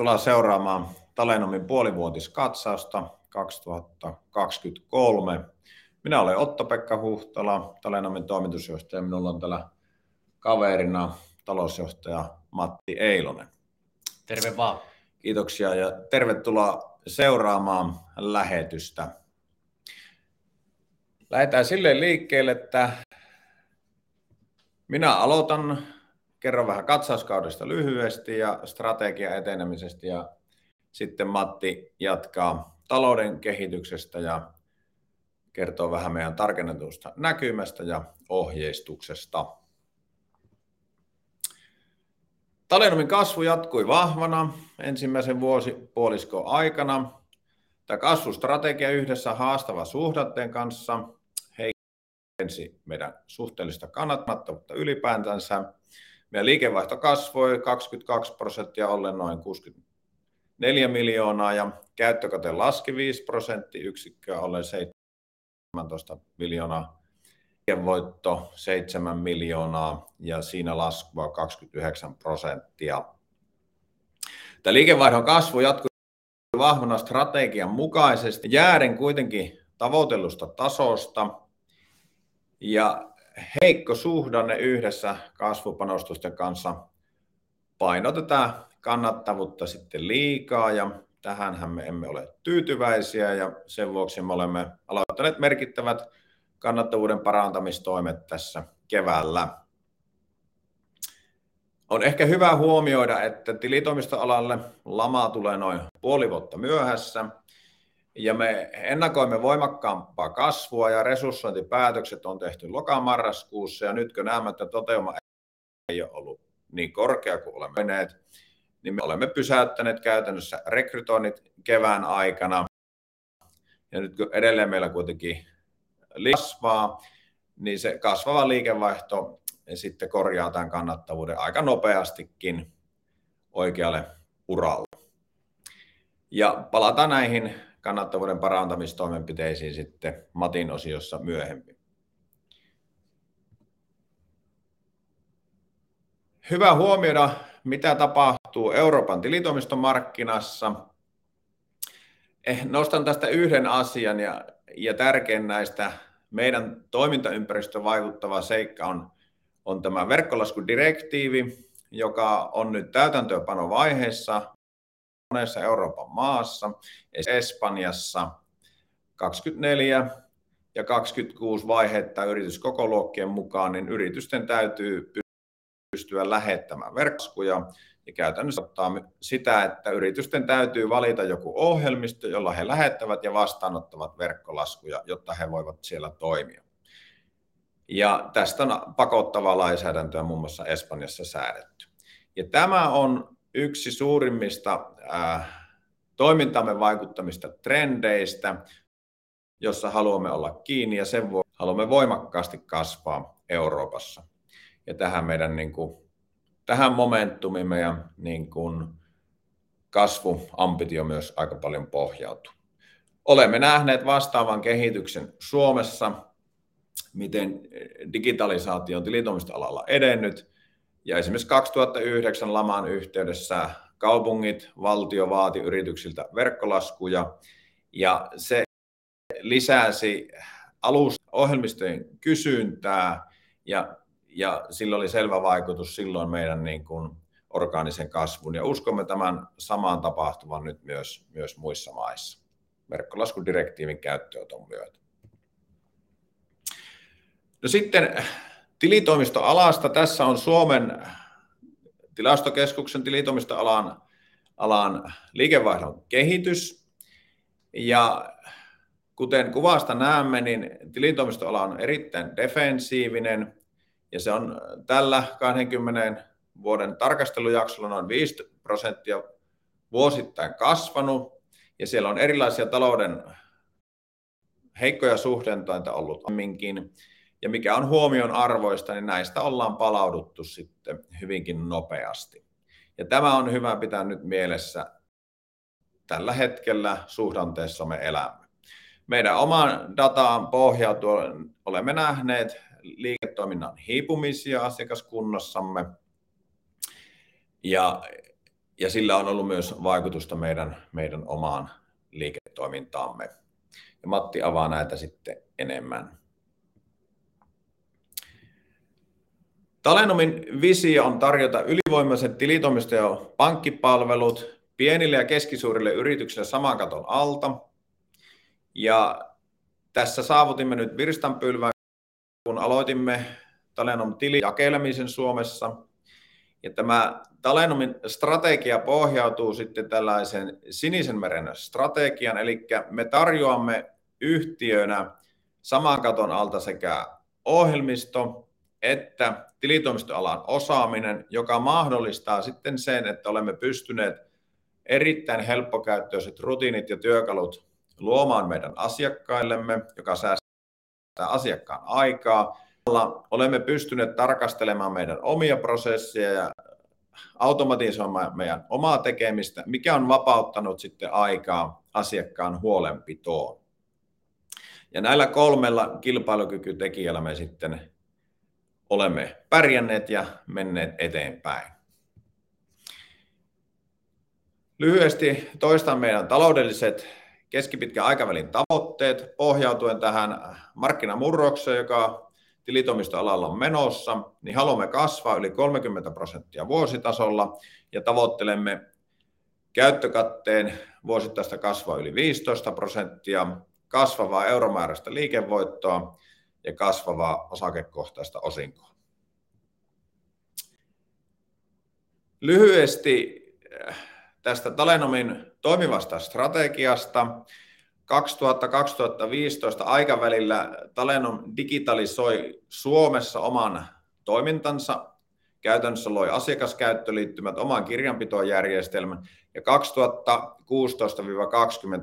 tullaan seuraamaan Talenomin puolivuotiskatsausta 2023. Minä olen Otto-Pekka Huhtala, Talenomin Toimitusjohtaja. Minulla on täällä kaverina Talousjohtaja Matti Eilonen. Terve vaan! Kiitoksia ja tervetuloa seuraamaan lähetystä! Lähdetään sillä liikkeelle, että minä aloitan. Kerron vähän katsauskaudesta lyhyesti ja strategian etenemisestä ja sitten Matti jatkaa talouden kehityksestä ja kertoo vähän meidän tarkennetusta näkymästä ja ohjeistuksesta. Talenomin kasvu jatkui vahvana ensimmäisen vuosipuoliskon aikana. Tämä kasvustrategia yhdessä haastavan suhdanteen kanssa heikensi meidän suhteellista kannattavuutta ylipäänsänsä. Meidän liikevaihto kasvoi 22% ollen noin 64 million ja käyttökate laski five percentage points ollen 17 million. Liikevoitto 7 million ja siinä laskua 29%. Tämä liikevaihdon kasvu jatkui vahvana strategian mukaisesti, jääden kuitenkin tavoitellusta tasosta, heikko suhdanne yhdessä kasvupanostusten kanssa painoi tätä kannattavuutta sitten liikaa. Tähänhän me emme ole tyytyväisiä ja sen vuoksi me olemme aloittaneet merkittävät kannattavuuden parantamistoimet tässä keväällä. On ehkä hyvä huomioida, että tilitoimistoalalle lama tulee noin half a year myöhässä ja me ennakoimme voimakkaampaa kasvua ja resursointipäätökset on tehty loka-marraskuussa. Nyt kun näemme, että toteuma ei ole ollut niin korkea kuin olemme olleet, niin me olemme pysäyttäneet käytännössä rekrytoinnit kevään aikana. Nyt kun edelleen meillä kuitenkin lisääntyy, niin se kasvava liikevaihto sitten korjaa tämän kannattavuuden aika nopeastikin oikealle uralle. Palataan näihin kannattavuuden parantamistoimenpiteisiin sitten Matin osiossa myöhemmin. Hyvä huomioida, mitä tapahtuu Euroopan tilitoimistomarkkinassa. Nostan tästä yhden asian ja tärkein näistä meidän toimintaympäristöön vaikuttava seikka on tämä verkkolaskudirektiivi, joka on nyt täytäntöönpanovaiheessa monessa Euroopan maassa. Esimerkiksi Espanjassa 24 ja 26 vaiheittaen yrityskokoluokkien mukaan, niin yritysten täytyy pystyä lähettämään verkkolaskuja. Se käytännössä tarkoittaa sitä, että yritysten täytyy valita joku ohjelmisto, jolla he lähettävät ja vastaanottavat verkkolaskuja, jotta he voivat siellä toimia. Tästä on pakottavaa lainsäädäntöä muun muassa Espanjassa säädetty, ja tämä on yksi suurimmista toimintaamme vaikuttamista trendeistä, jossa haluamme olla kiinni ja sen vuoksi haluamme voimakkaasti kasvaa Euroopassa. Tähän meidän niinkun, tähän momentumimme ja niin kun kasvuambitio myös aika paljon pohjautuu. Olemme nähneet vastaavan kehityksen Suomessa, miten digitalisaatio on tilitoimistoalalla edennyt ja esimerkiksi 2009 laman yhteydessä kaupungit, valtio vaati yrityksiltä verkkolaskuja ja se lisäsi alusohjelmistojen kysyntää ja sillä oli selvä vaikutus silloin meidän niinkun orgaaniseen kasvuun and uskomme tämän saman tapahtuvan nyt myös muissa maissa verkkolaskudirektiivin käyttöönoton myötä. Sitten tilitoimistoalasta. Tässä on Suomen Tilastokeskuksen tilitoimistoalan liikevaihdon kehitys, ja kuten kuvasta näemme, niin tilitoimistoala on erittäin defensiivinen ja se on tällä 20 vuoden tarkastelujaksolla noin 5% vuosittain kasvanut, ja siellä on erilaisia talouden heikkoja suhdanteita ollut aiemminkin. Mikä on huomionarvoista, niin näistä ollaan palauduttu sitten hyvinkin nopeasti ja tämä on hyvä pitää nyt mielessä. Tällä hetkellä suhdanteessa me elämme. Meidän omaan dataan pohjautuen olemme nähneet liiketoiminnan hiipumisia asiakaskunnassamme ja sillä on ollut myös vaikutusta meidän omaan liiketoimintaamme. Matti avaa näitä sitten enemmän. Talenom visio on tarjota ylivoimaiset tilitoimisto- ja pankkipalvelut pienille ja keskisuurille yrityksille saman katon alta. Tässä saavutimme nyt virstanpylvään, kun aloitimme Talenom Tili jakelemisen Suomessa. Tämä Talenom strategia pohjautuu sitten tällaiseen sinisen meren strategia. Elikkä me tarjoamme yhtiönä saman katon alta sekä ohjelmisto- että tilitoimistoalan osaaminen, joka mahdollistaa sitten sen, että olemme pystyneet erittäin helppokäyttöiset rutiinit ja työkalut luomaan meidän asiakkaillemme, joka säästää asiakkaan aikaa. Olemme pystyneet tarkastelemaan meidän omia prosesseja ja automatisoimaan meidän omaa tekemistä, mikä on vapauttanut sitten aikaa asiakkaan huolenpitoon. Näillä kolmella kilpailukykytekijällä me sitten olemme pärjänneet ja menneet eteenpäin. Lyhyesti toistan meidän taloudelliset keskipitkän aikavälin tavoitteet pohjautuen tähän markkinamurrokseen, joka tilitoimistoalalla on menossa, niin haluamme kasvaa yli 30% vuositasolla ja tavoittelemme käyttökate vuosittaista kasvua yli 15%, kasvavaa euromääräistä liikevoitto ja kasvavaa osakekohtaista osinkoa. Lyhyesti tästä Talenom toimivasta strategiasta. 2000-2015 aikavälillä Talenom digitalisoi Suomessa oman toimintansa. Käytännössä loi asiakaskäyttöliittymät, oman kirjanpitojärjestelmän ja 2016-20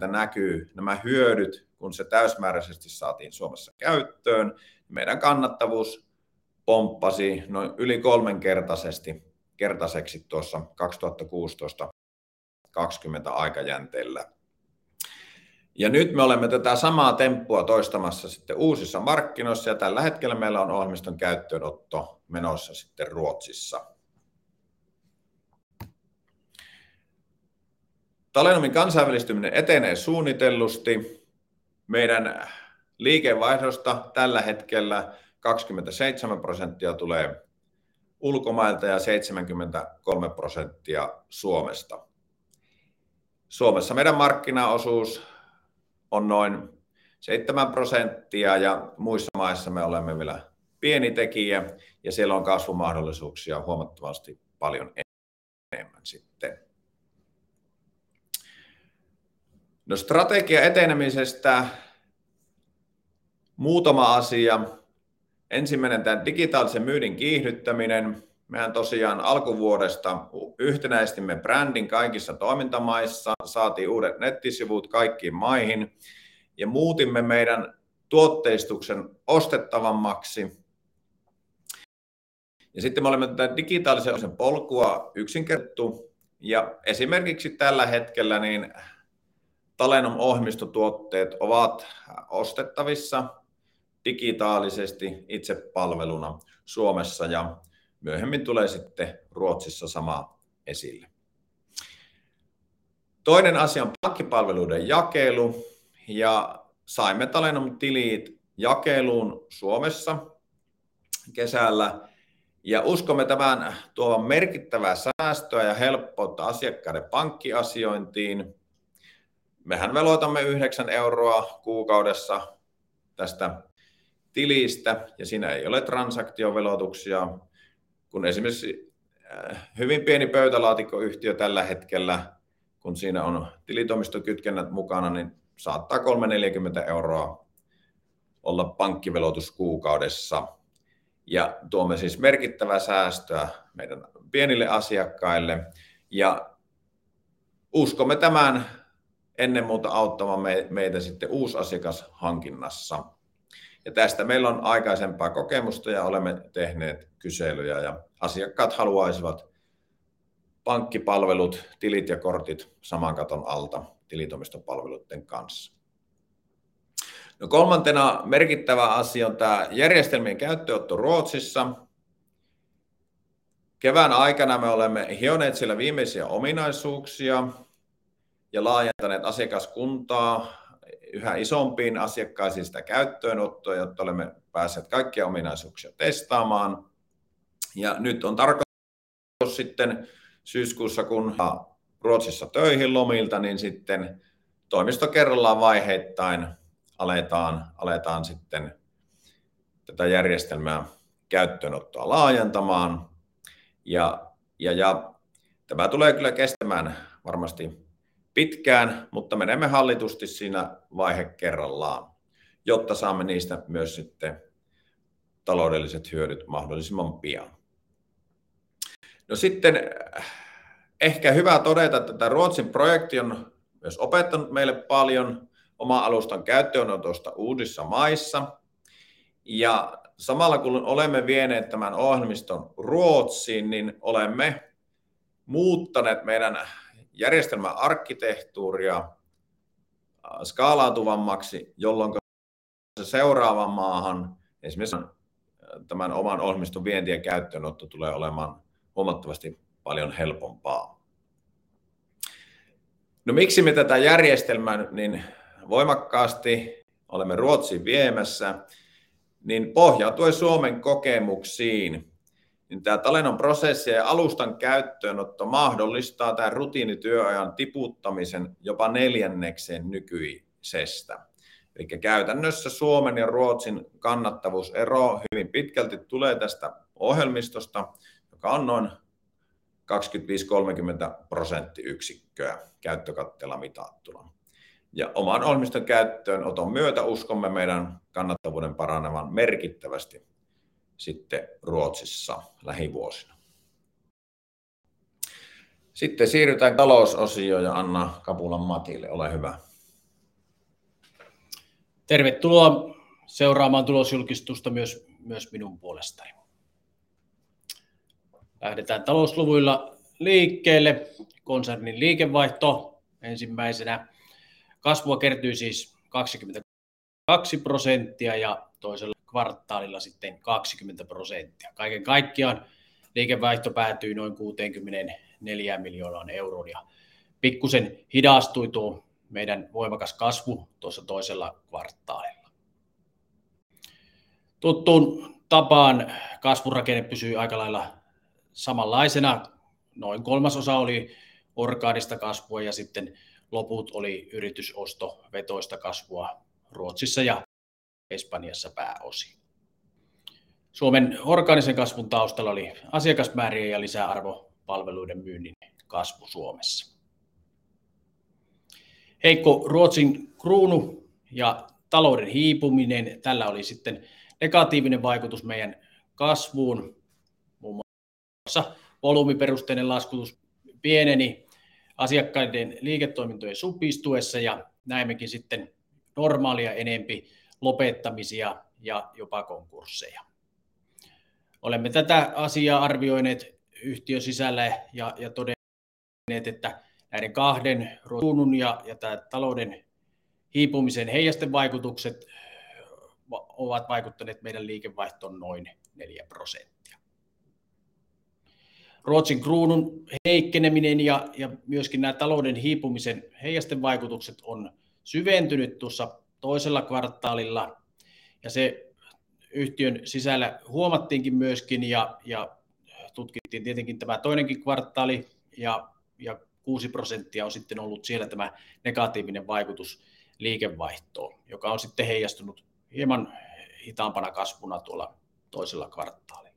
näkyy nämä hyödyt, kun se täysimääräisesti saatiin Suomessa käyttöön, meidän kannattavuus pomppasi noin yli kolmenkertaisesti tuossa 2016-20 aikajänteellä, ja nyt me olemme tätä samaa temppua toistamassa sitten uusissa markkinoissa ja tällä hetkellä meillä on ohjelmiston käyttöönotto menossa sitten Ruotsissa. Talenomin kansainvälistyminen etenee suunnitellusti. Meidän liikevaihdosta tällä hetkellä 27% tulee ulkomailta ja 73% Suomesta. Suomessa meidän markkinaosuus on noin 7% ja muissa maissa me olemme vielä pieni tekijä ja siellä on kasvumahdollisuuksia huomattavasti paljon enemmän sitten. Strategian etenemisestä muutama asia. Ensimmäinen tämän digitaalisen myynnin kiihdyttäminen. Mehän tosiaan alkuvuodesta yhtenäistimme brändin kaikissa toimintamaissa, saatiin uudet nettisivut kaikkiin maihin ja muutimme meidän tuotteistuksen ostettavammaksi. Sitten me olemme tätä digitaalisen polkua yksinkertaistettu ja esimerkiksi tällä hetkellä, niin Talenom-ohjelmistotuotteet ovat ostettavissa digitaalisesti itsepalveluna Suomessa ja myöhemmin tulee sitten Ruotsissa sama esille. Toinen asia on pankkipalveluiden jakelu ja saimme Talenom-tilit jakeluun Suomessa kesällä ja uskomme tämän tuovan merkittävää säästöä ja helppoutta asiakkaiden pankkiasiointiin. Mehän veloitamme 9 EUR kuukaudessa tästä tilistä ja siinä ei ole transaktioveloituksia, kun esimerkiksi hyvin pieni pöytälaatikkoyhtiö tällä hetkellä, kun siinä on tilitoimistokytkennät mukana, niin saattaa 30-40 EUR olla pankkiveloitus kuukaudessa. Tuomme siis merkittävää säästöä meidän pienille asiakkaille ja uskomme tämän ennen muuta auttavan meitä sitten uusasiakashankinnassa. Tästä meillä on aikaisempaa kokemusta ja olemme tehneet kyselyjä ja asiakkaat haluaisivat pankkipalvelut, tilit ja kortit saman katon alta tilitoimistopalveluitten kanssa. Kolmantena merkittävä asia on tää järjestelmien käyttöönotto Ruotsissa. Kevään aikana me olemme hioneet siellä viimeisiä ominaisuuksia ja laajentaneet asiakaskuntaa yhä isompiin asiakkaisiin sitä käyttöönottoa, jotta olemme päässeet kaikkia ominaisuuksia testaamaan. Nyt on tarkoitus sitten syyskuussa, kun Ruotsissa töihin lomilta, niin sitten toimisto kerrallaan vaiheittain aletaan sitten tätä järjestelmää käyttöönottoa laajentamaan. Tämä tulee kyllä kestämään varmasti pitkään, mutta menemme hallitusti siinä vaihe kerrallaan, jotta saamme niistä myös sitten taloudelliset hyödyt mahdollisimman pian. Sitten ehkä hyvä todeta, että Ruotsin projekti on myös opettanut meille paljon oman alustan käyttöönotosta uusissa maissa ja samalla kun olemme vieneet tämän ohjelmiston Ruotsiin, niin olemme muuttaneet meidän järjestelmän arkkitehtuuria skaalautuvammaksi, jolloinka se seuraavaan maahan, esimerkiksi tämän oman ohjelmiston vienti ja käyttöönotto tulee olemaan huomattavasti paljon helpompaa. Miksi me tätä järjestelmää niin voimakkaasti olemme Ruotsiin viemässä? Pohjautuen Suomen kokemuksiin, niin tämä Talenom prosessi ja alustan käyttöönotto mahdollistaa tämän rutiinityöajan tiputtamisen jopa neljännekseen nykyisestä. Käytännössä Suomen ja Ruotsin kannattavuusero hyvin pitkälti tulee tästä ohjelmistosta, joka on noin 25-30 prosenttiyksikköä käyttökatteella mitattuna. Oman ohjelmiston käyttöönoton myötä uskomme meidän kannattavuuden paranevan merkittävästi sitten Ruotsissa lähivuosina. Sitten siirrytään talousosioon ja annan kapulan Matille. Ole hyvä! Tervetuloa seuraamaan tulosjulkistusta myös minun puolestani. Lähdetään talousluvuilla liikkeelle. Konsernin liikevaihto ensimmäisenä. Kasvua kertyi siis 22% ja toisella kvartaalilla sitten 20%. Kaiken kaikkiaan liikevaihto päätyi noin 64 million ja pikkuisen hidastui tuo meidän voimakas kasvu tuossa toisella kvartaalilla. Tuttuun tapaan kasvurakenne pysyi aika lailla samanlaisena. Noin one-third oli orgaanista kasvua ja sitten loput oli yritysostovetoista kasvua Ruotsissa ja Espanjassa pääosin. Suomen orgaanisen kasvun taustalla oli asiakasmäärien ja lisäarvopalveluiden myynnin kasvu Suomessa. Heikko Ruotsin kruunu ja talouden hiipuminen. Tällä oli sitten negatiivinen vaikutus meidän kasvuun. Muun muassa volyymiperusteinen laskutus pieneni asiakkaiden liiketoimintojen supistuessa ja näimmekin sitten normaalia enempi lopettamisia ja jopa konkursseja. Olemme tätä asiaa arvioineet yhtiön sisällä ja todenneet, että näiden kahden kruunun ja talouden hiipumisen heijastevaikutukset ovat vaikuttaneet meidän liikevaihtoon noin 4%. Ruotsin kruunun heikkeneminen ja myöskin nämä talouden hiipumisen heijastevaikutukset on syventynyt tuossa toisella kvartaalilla, ja se yhtiön sisällä huomattiinkin myöskin ja tutkittiin tietenkin tämä toinenkin kvartaali, ja 6% on sitten ollut siellä tämä negatiivinen vaikutus liikevaihtoon, joka on sitten heijastunut hieman hitaampana kasvuna tuolla toisella kvartaalilla.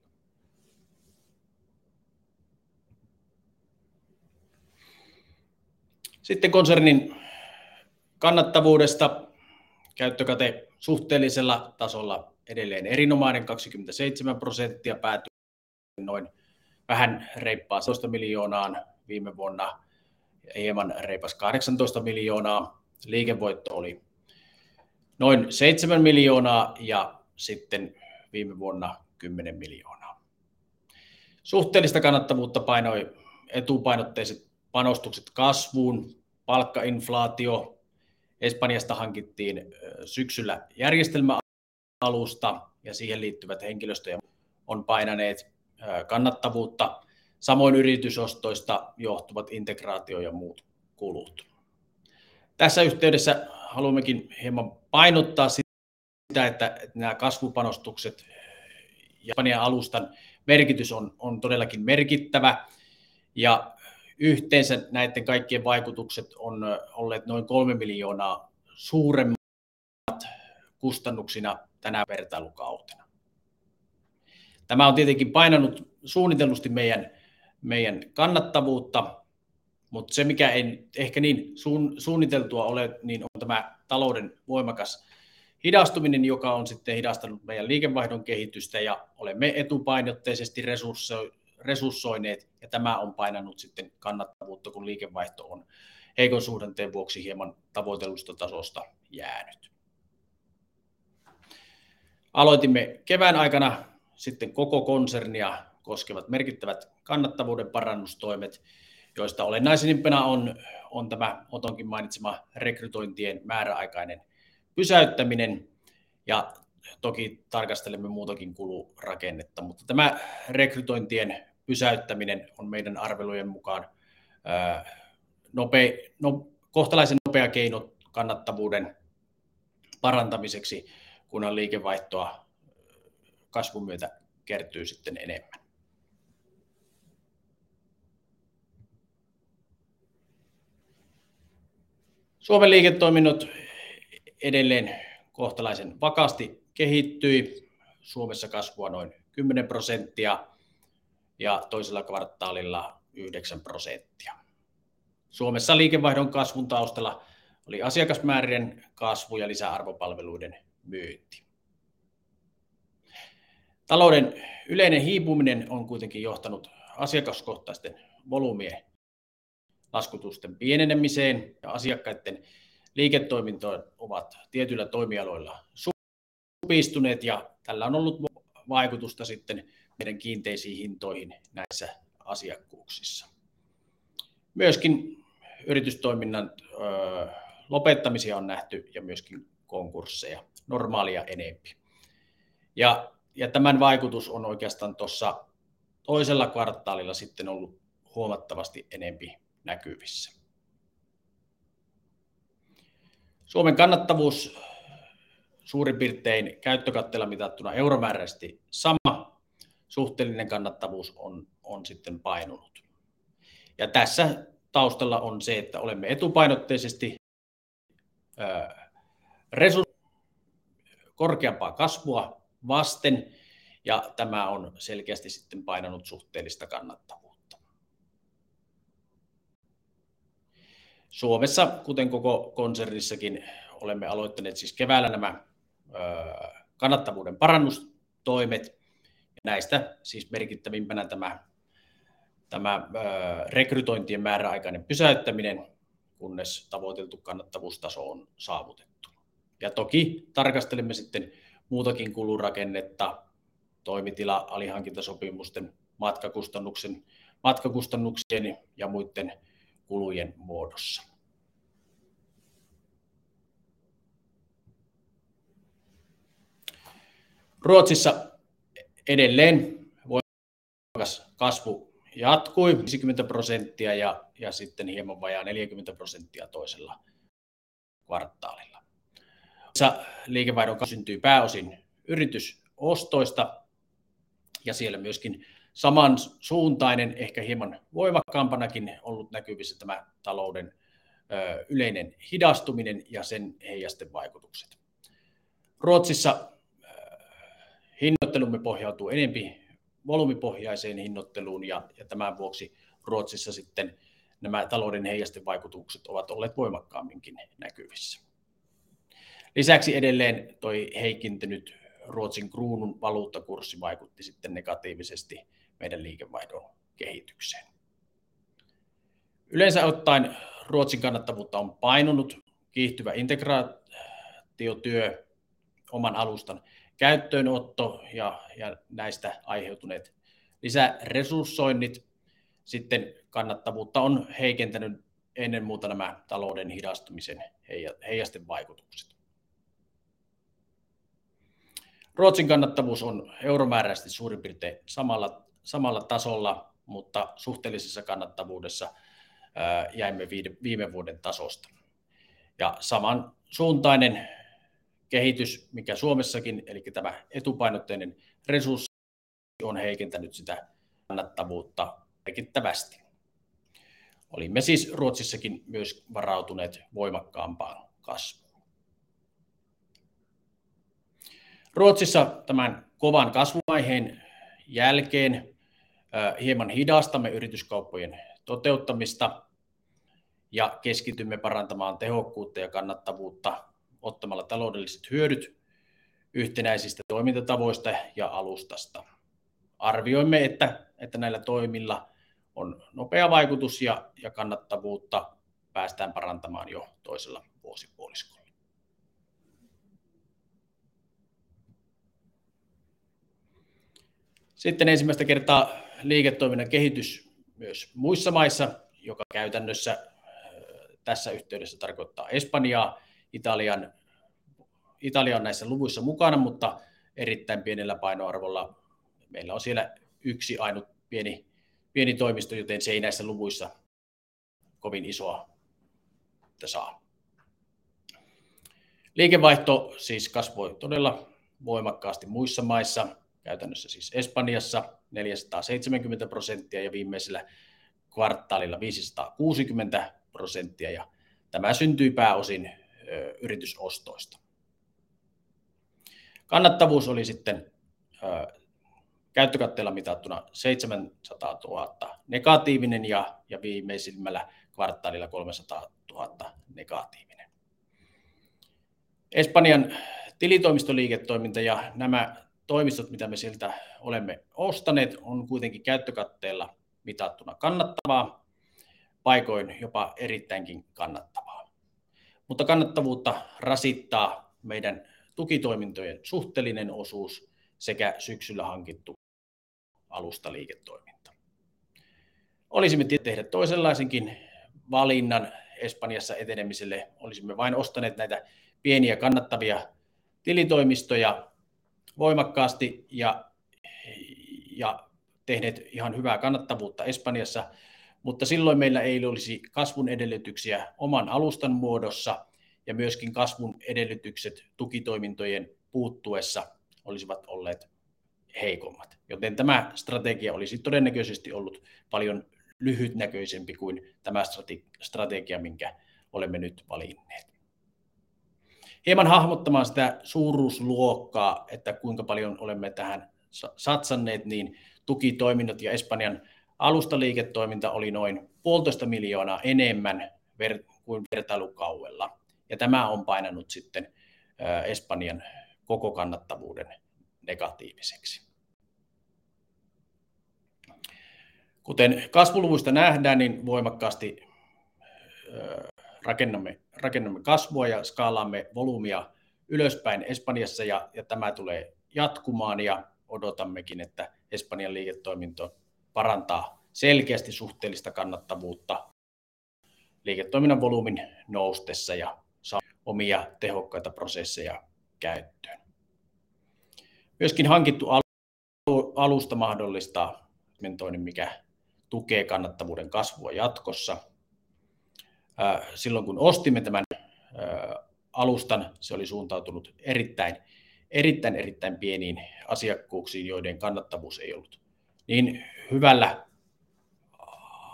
Konsernin kannattavuudesta. Käyttökate suhteellisella tasolla edelleen erinomainen, 27%, päätyi noin vähän reippaan 12 miljoonaan. Viime vuonna hieman reipas 18 miljoonaa. Liikevoitto oli noin 7 miljoonaa ja viime vuonna 10 miljoonaa. Suhteellista kannattavuutta painoi etupainotteiset panostukset kasvuun, palkkainflaatio. Espanjasta hankittiin syksyllä järjestelmäalusta ja siihen liittyvät henkilöstö on painaneet kannattavuutta. Samoin yritysostoista johtuvat integraatio ja muut kulut. Tässä yhteydessä haluammekin hieman painottaa sitä, että nämä kasvupanostukset ja Espanjan alustan merkitys on todellakin merkittävä, ja yhteensä näiden kaikkien vaikutukset on olleet noin 3 miljoonaa suuremmat kustannuksina tänä vertailukautena. Tämä on tietenkin painanut suunnitellusti meidän kannattavuutta, mutta se, mikä ei ehkä niin suunniteltua ole, niin on tämä talouden voimakas hidastuminen, joka on sitten hidastanut meidän liikevaihdon kehitystä ja olemme etupainotteisesti resurssoineet ja tämä on painanut sitten kannattavuutta, kun liikevaihto on heikon suhdanteen vuoksi hieman tavoitellusta tasosta jäänyt. Aloitimme kevään aikana sitten koko konsernia koskevat merkittävät kannattavuuden parannustoimet, joista olennaisemmassa on tämä Otonkin mainitsema rekrytointien määräaikainen pysäyttäminen. Toki tarkastelemme muutakin kulurakennetta, mutta tämä rekrytointien pysäyttäminen on meidän arvelujen mukaan kohtalaisen nopea keino kannattavuuden parantamiseksi, kunhan liikevaihtoa kasvun myötä kertyy sitten enemmän. Suomen liiketoiminnot edelleen kohtalaisen vakaasti kehittyi. Suomessa kasvua noin 10% ja toisella kvartaalilla 9%. Suomessa liikevaihdon kasvun taustalla oli asiakasmäärien kasvu ja lisäarvopalveluiden myynti. Talouden yleinen hiipuminen on kuitenkin johtanut asiakaskohtaisten volyymien laskutusten pienenemiseen, ja asiakkaitten liiketoimintojen ovat tietyillä toimialoilla supistuneet, ja tällä on ollut vaikutusta sitten meidän kiinteisiin hintoihin näissä asiakkuuksissa. Myöskin yritystoiminnan lopettamisia on nähty ja myöskin konkursseja normaalia enempi. Tämän vaikutus on oikeastaan tuossa toisella kvartaalilla sitten ollut huomattavasti enempi näkyvissä. Suomen kannattavuus suurin piirtein käyttökatteella mitattuna euromääräisesti sama. Suhteellinen kannattavuus on sitten painunut, ja tässä taustalla on se, että olemme etupainotteisesti korkeampaa kasvua vasten, ja tämä on selkeästi sitten painanut suhteellista kannattavuutta. Suomessa, kuten koko konsernissakin, olemme aloittaneet siis keväällä nämä kannattavuuden parannustoimet ja näistä siis merkittävimpänä tämä rekrytointien määräaikainen pysäyttäminen, kunnes tavoiteltu kannattavuustaso on saavutettu. Toki tarkastelemme sitten muutakin kulurakennetta. Toimitila alihankintasopimusten, matkakustannuksen, matkakustannuksien ja muiden kulujen muodossa. Ruotsissa edelleen voimakas kasvu jatkui 50% ja sitten hieman vajaa 40% toisella kvartaalilla. Liikevaihdon syntyy pääosin yritysostoista. Siellä myöskin samansuuntainen, ehkä hieman voimakkaampanakin ollut näkyvissä tämä talouden yleinen hidastuminen ja sen heijastevaikutukset. Ruotsissa hinnoittelumme pohjautuu enempi volyymipohjaiseen hinnoitteluun ja tämän vuoksi Ruotsissa sitten nämä talouden heijastevaikutukset ovat olleet voimakkaamminkin näkyvissä. Lisäksi edelleen toi heikentynyt Ruotsin kruunun valuuttakurssi vaikutti sitten negatiivisesti meidän liikevaihdon kehitykseen. Yleensä ottaen Ruotsin kannattavuutta on painunut kiihtyvä integraatiotyö, oman alustan käyttöönotto ja näistä aiheutuneet lisäresurssoinnit. Kannattavuutta on heikentänyt ennen muuta nämä talouden hidastumisen heijastevaikutukset. Ruotsin kannattavuus on euromääräisesti suurin piirtein samalla tasolla, mutta suhteellisessa kannattavuudessa jäimme viime vuoden tasosta. Samansuuntainen kehitys, mikä Suomessakin, eli tämä etupainotteinen resurssi, on heikentänyt sitä kannattavuutta merkittävästi. Olimme siis Ruotsissakin myös varautuneet voimakkaampaan kasvuun. Ruotsissa tämän kovan kasvuvaiheen jälkeen hieman hidastamme yrityskauppojen toteuttamista ja keskitymme parantamaan tehokkuutta ja kannattavuutta ottamalla taloudelliset hyödyt yhtenäisistä toimintatavoista ja alustasta. Arvioimme, että näillä toimilla on nopea vaikutus ja kannattavuutta päästään parantamaan jo toisella vuosipuoliskolla. Ensimmäistä kertaa liiketoiminnan kehitys myös muissa maissa, joka käytännössä tässä yhteydessä tarkoittaa Espanjaa. Italia on näissä luvuissa mukana, erittäin pienellä painoarvolla. Meillä on siellä yksi ainut pieni toimisto, se ei näissä luvuissa kovin isoa saa. Liikevaihto siis kasvoi todella voimakkaasti muissa maissa. Käytännössä siis Espanjassa 470% ja viimeisellä kvartaalilla 560%, tämä syntyi pääosin yritysostoista. Kannattavuus oli sitten käyttökatteella mitattuna 700,000 negatiivinen ja viimeisimmällä kvartaalilla 300,000 negatiivinen. Espanjan tilitoimistoliiketoiminta ja nämä toimistot, mitä me sieltä olemme ostaneet, on kuitenkin käyttökatteella mitattuna kannattavaa, paikoin jopa erittäinkin kannattavaa, kannattavuutta rasittaa meidän tukitoimintojen suhteellinen osuus sekä syksyllä hankittu alustaliiketoiminta. Olisimme tehdä toisenlaisenkin valinnan Espanjassa etenemiselle. Olisimme vain ostaneet näitä pieniä kannattavia tilitoimistoja voimakkaasti ja tehneet ihan hyvää kannattavuutta Espanjassa, mutta silloin meillä ei olisi kasvun edellytyksiä oman alustan muodossa ja myöskin kasvun edellytykset tukitoimintojen puuttuessa olisivat olleet heikommat, joten tämä strategia olisi todennäköisesti ollut paljon lyhytnäköisempi kuin tämä strategia, minkä olemme nyt valinneet. Hieman hahmottamaan sitä suuruusluokkaa, että kuinka paljon olemme tähän satsanneet, niin tukitoiminnot ja Espanjan alustaliiketoiminta oli noin EUR puolitoista miljoonaa enemmän kuin vertailukaudella, ja tämä on painanut sitten Espanjan koko kannattavuuden negatiiviseksi. Kuten kasvuluvuista nähdään, niin voimakkaasti rakennamme kasvua ja skaalaamme volyymia ylöspäin Espanjassa ja tämä tulee jatkumaan ja odotammekin, että Espanjan liiketoiminta parantaa selkeästi suhteellista kannattavuutta liiketoiminnan volyymin noustessa ja omia tehokkaita prosesseja käyttöön. Myöskin hankittu alusta mahdollistaa segmentoinnin, mikä tukee kannattavuuden kasvua jatkossa. Silloin, kun ostimme tämän alustan, se oli suuntautunut erittäin pieniin asiakkuuksiin, joiden kannattavuus ei ollut niin hyvällä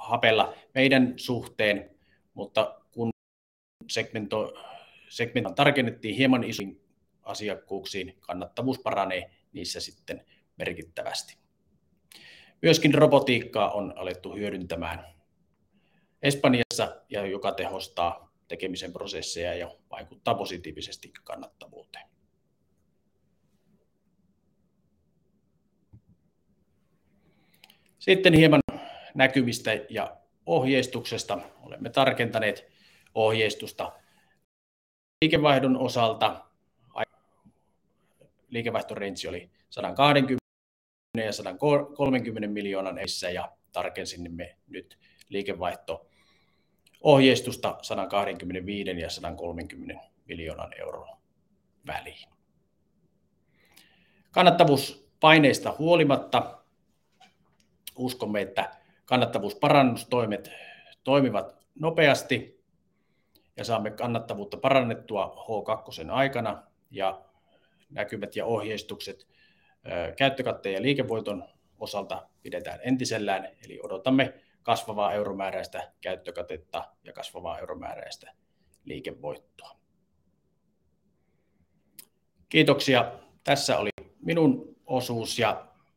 hapella meidän suhteen. Kun segmentointa tarkennettiin hieman isompiin asiakkuuksiin, kannattavuus paranee niissä sitten merkittävästi. Myöskin robotiikkaa on alettu hyödyntämään Espanjassa ja joka tehostaa tekemisen prosesseja ja vaikuttaa positiivisesti kannattavuuteen. ...Sitten hieman näkymistä ja ohjeistuksesta. Olemme tarkentaneet ohjeistusta liikevaihdon osalta. liikevaihto reitsi oli EUR 120 million-EUR 130 million ja tarkensimme nyt liikevaihto-ohjeistusta 125 million-130 million väliin. Kannattavuuspaineista huolimatta uskomme, että kannattavuusparannustoimet toimivat nopeasti ja saamme kannattavuutta parannettua H2:n aikana. Näkymät ja ohjeistukset käyttökatteen ja liikevoiton osalta pidetään entisellään. Odotamme kasvavaa euromääräistä käyttökatetta ja kasvavaa euromääräistä liikevoittoa. Kiitoksia! Tässä oli minun osuus.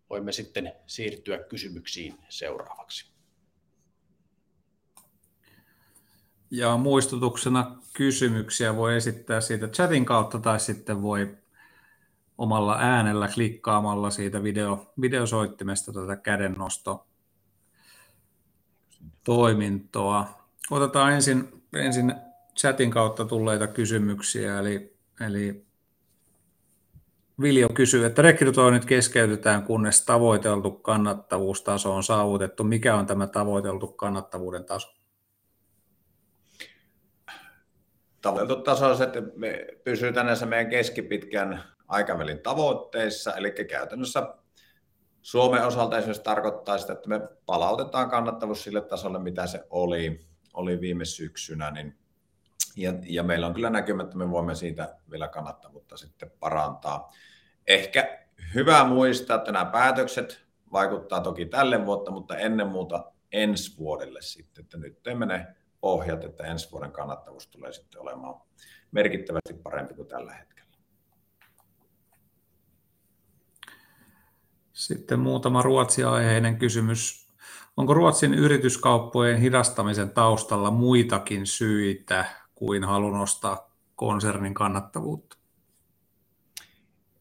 Voimme sitten siirtyä kysymyksiin seuraavaksi. Muistutuksena kysymyksiä voi esittää siitä chatin kautta tai sitten voi omalla äänellä klikkaamalla siitä videosoittimesta kädennostotoimintoa. Otetaan ensin chatin kautta tulleita kysymyksiä. Viljo kysyy, että rekrytoinnit keskeytetään, kunnes tavoiteltu kannattavuustaso on saavutettu. Mikä on tämä tavoiteltu kannattavuuden taso? Tavoiteltu taso on se, että me pysytään näissä meidän keskipitkän aikavälin tavoitteissa, elikkä käytännössä Suomen osalta esimerkiksi tarkoittaa sitä, että me palautetaan kannattavuus sille tasolle, mitä se oli viime syksynä. Meillä on kyllä näkymä, että me voimme siitä vielä kannattavuutta sitten parantaa. Ehkä hyvä muistaa, että nämä päätökset vaikuttaa toki tälle vuotta, mutta ennen muuta ensi vuodelle sitten. Nyt teemme ne pohjat, että ensi vuoden kannattavuus tulee sitten olemaan merkittävästi parempi kuin tällä hetkellä. Muutama Ruotsi-aiheinen kysymys. Onko Ruotsin yrityskauppojen hidastamisen taustalla muitakin syitä kuin halu nostaa konsernin kannattavuutta?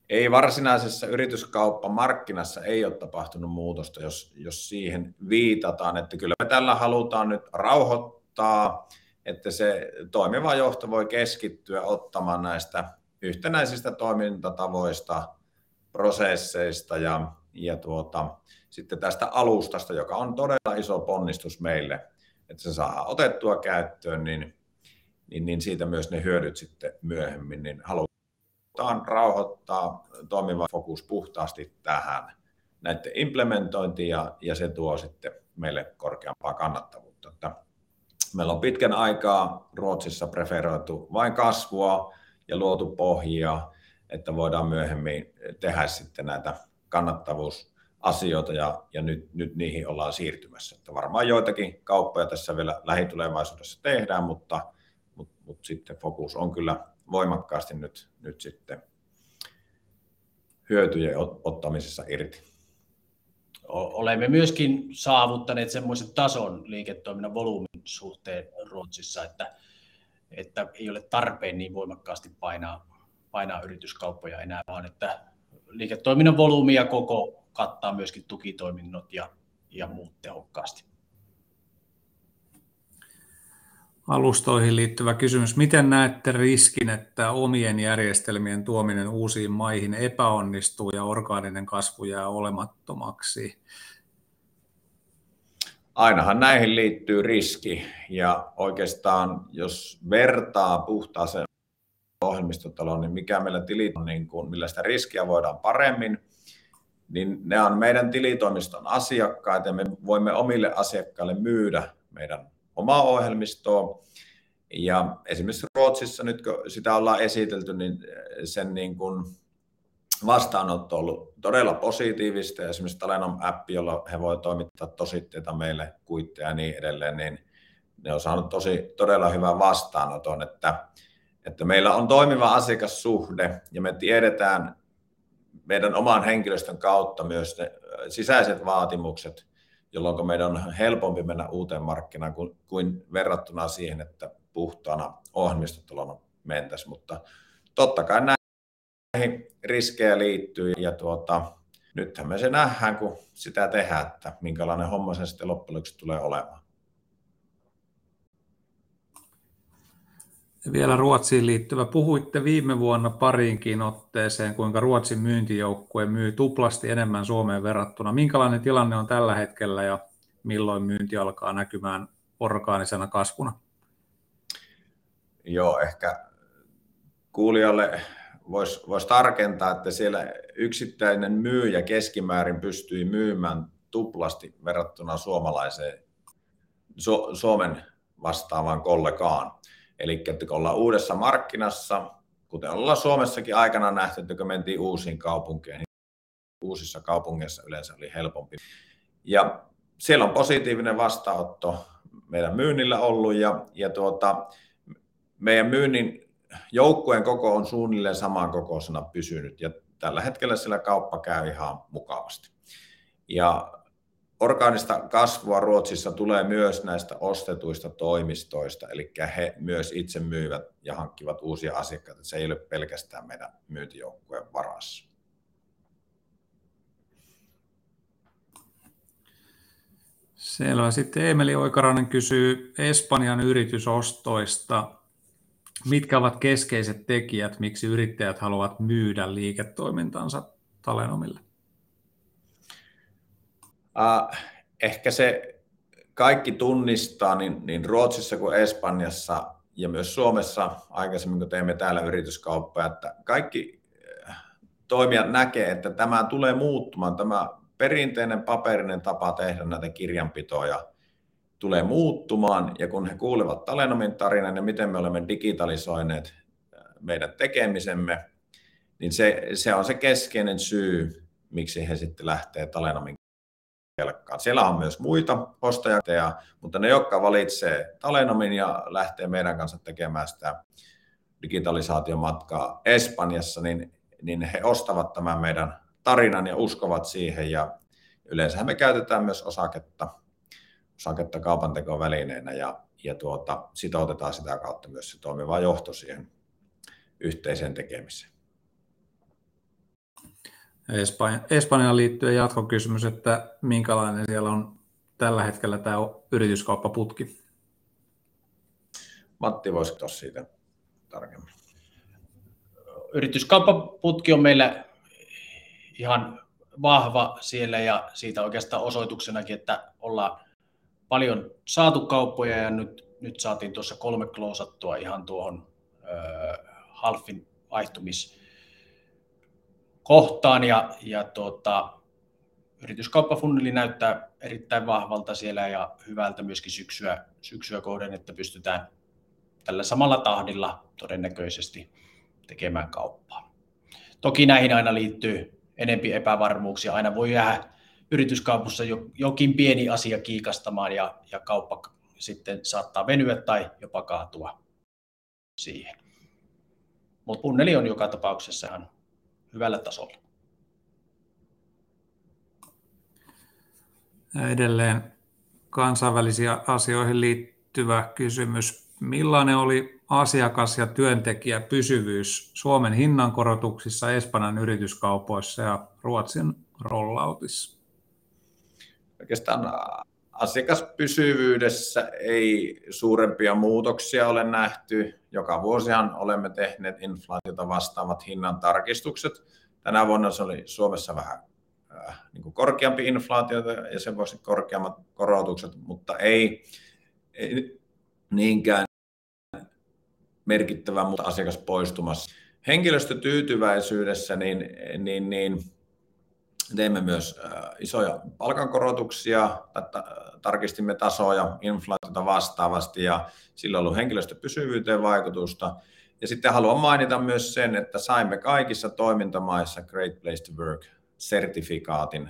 Ei, varsinaisessa yrityskauppamarkkinassa ei ole tapahtunut muutosta. Jos siihen viitataan, että kyllä me tällä halutaan nyt rauhoittaa, että se toimiva johto voi keskittyä ottamaan näistä yhtenäisistä toimintatavoista, prosesseista ja tuota sitten tästä alustasta, joka on todella iso ponnistus meille, että se saadaan otettua käyttöön, niin siitä myös ne hyödyt sitten myöhemmin, niin halutaan rauhoittaa toimiva fokus puhtaasti tähän näitten implementointiin ja se tuo sitten meille korkeampaa kannattavuutta. Meillä on pitkän aikaa Ruotsissa preferoitu vain kasvua ja luotu pohjia, että voidaan myöhemmin tehdä sitten näitä kannattavuusasioita, ja nyt niihin ollaan siirtymässä, että varmaan joitakin kauppoja tässä vielä lähitulevaisuudessa tehdään. Sitten fokus on kyllä voimakkaasti nyt sitten hyötyjen ottamisessa irti. Olemme myöskin saavuttaneet semmoisen tason liiketoiminnan volyymin suhteen Ruotsissa, että ei ole tarpeen niin voimakkaasti painaa yrityskauppoja enää, vaan että liiketoiminnan volyymi ja koko kattaa myöskin tukitoiminnot ja muut tehokkaasti. Alustoihin liittyvä kysymys: miten näette riskin, että omien järjestelmien tuominen uusiin maihin epäonnistuu ja orgaaninen kasvu jää olemattomaksi? Ainahan näihin liittyy riski, oikeastaan jos vertaa puhtaaseen ohjelmistotaloon, niin mikä meillä Talenom Tili on, millä sitä riskiä voidaan paremmin, niin ne on meidän tilitoimiston asiakkaita ja me voimme omille asiakkaille myydä meidän omaa ohjelmistoa. Esimerkiksi Ruotsissa, nyt kun sitä ollaan esitelty, niin sen vastaanotto on ollut todella positiivista ja esimerkiksi Talenom App, jolla he voi toimittaa tositteita meille, kuitteja ja niin edelleen, niin ne on saanut tosi todella hyvän vastaanoton. Että meillä on toimiva asiakassuhde ja me tiedetään meidän oman henkilöstön kautta myös ne sisäiset vaatimukset, jolloinka meidän on helpompi mennä uuteen markkinaan kuin verrattuna siihen, että puhtaana ohjelmistotalona mentäisiin. Totta kai näihin riskejä liittyy. Nythän me se nähdään, kun sitä tehdään, että minkälainen homma se sitten loppujen lopuksi tulee olemaan. Vielä Ruotsiin liittyvä. Puhuitte viime vuonna pariinkin otteeseen, kuinka Ruotsin myyntijoukkue myy tuplasti enemmän Suomeen verrattuna. Minkälainen tilanne on tällä hetkellä ja milloin myynti alkaa näkymään orgaanisena kasvuna? Ehkä kuulijalle vois tarkentaa, että siellä yksittäinen myyjä keskimäärin pystyi myymään 2x verrattuna Suomen vastaavaan kollegaan. Kun ollaan uudessa markkinassa, kuten ollaan Suomessakin aikanaan nähty, että kun mentiin uusiin kaupunkeihin, niin uusissa kaupungeissa yleensä oli helpompi, ja siellä on positiivinen vastaanotto meidän myynnillä ollut ja meidän myynnin joukkueen koko on suunnilleen saman kokoisena pysynyt ja tällä hetkellä siellä kauppa käy ihan mukavasti. Orgaanista kasvua Ruotsissa tulee myös näistä ostetuista toimistoista, elikkä he myös itse myyvät ja hankkivat uusia asiakkaita. Se ei ole pelkästään meidän myyntijoukkueen varassa. Selvä. Sitten Eemeli Oikarainen kysyy Espanjan yritysostoista. Mitkä ovat keskeiset tekijät, miksi yrittäjät haluavat myydä liiketoimintansa Talenomille? Ehkä se kaikki tunnistaa niin Ruotsissa kuin Espanjassa ja myös Suomessa aikaisemmin, kun teimme täällä yrityskauppoja, että kaikki toimijat näkee, että tämä tulee muuttumaan. Tämä perinteinen paperinen tapa tehdä näitä kirjanpitoja tulee muuttumaan. Kun he kuulevat Talenomin tarinan ja miten me olemme digitalisoineet meidän tekemisemme, niin se on se keskeinen syy, miksi he sitten lähtee Talenomin kelkkaan. Siellä on myös muita ostajia, mutta ne, jotka valitsee Talenomin ja lähtee meidän kanssa tekemään sitä digitalisaatiomatkaa Espanjassa, niin he ostavat tämän meidän tarinan ja uskovat siihen. Yleensähän me käytetään myös osaketta kaupantekovälineenä ja tuota sitoutetaan sitä kautta myös se toimiva johto siihen yhteiseen tekemiseen. Espanjaan liittyen jatkokysymys, että minkälainen siellä on tällä hetkellä tää yrityskauppaputki? Matti voisiko kertoa siitä tarkemmin? Yrityskauppaputki on meillä ihan vahva siellä ja siitä oikeastaan osoituksenakin, että ollaan paljon saatu kauppoja ja nyt saatiin tuossa 3 klousattua ihan tuohon H1:n vaihtumiskohtaan ja yrityskauppafunneli näyttää erittäin vahvalta siellä ja hyvältä myöskin syksyä kohden, että pystytään tällä samalla tahdilla todennäköisesti tekemään kauppaa. Toki näihin aina liittyy enempi epävarmuuksia. Aina voi jäädä yrityskaupassa jokin pieni asia kiikastamaan ja kauppa sitten saattaa venyä tai jopa kaatua siihen. Funneli on joka tapauksessahan hyvällä tasolla. Edelleen kansainvälisiin asioihin liittyvä kysymys: millainen oli asiakas- ja työntekijäpysyvyys Suomen hinnankorotuksissa, Espanjan yrityskaupoissa ja Ruotsin roll outissa? Oikeastaan asiakaspysyvyydessä ei suurempia muutoksia ole nähty. Joka vuosihan olemme tehneet inflaatiota vastaavat hinnantarkistukset. Tänä vuonna se oli Suomessa vähän niinku korkeampi inflaatiota ja sen vuoksi korkeammat korotukset, mutta ei niinkään merkittävää, mutta asiakas poistumassa. Henkilöstötyytyväisyydessä niin teemme myös isoja palkankorotuksia. Tarkistimme tasoja inflaatiota vastaavasti ja sillä on ollut henkilöstöpysyvyyteen vaikutusta. Ja sitten haluan mainita myös sen, että saimme kaikissa toimintamaissa Great Place To Work -sertifikaatin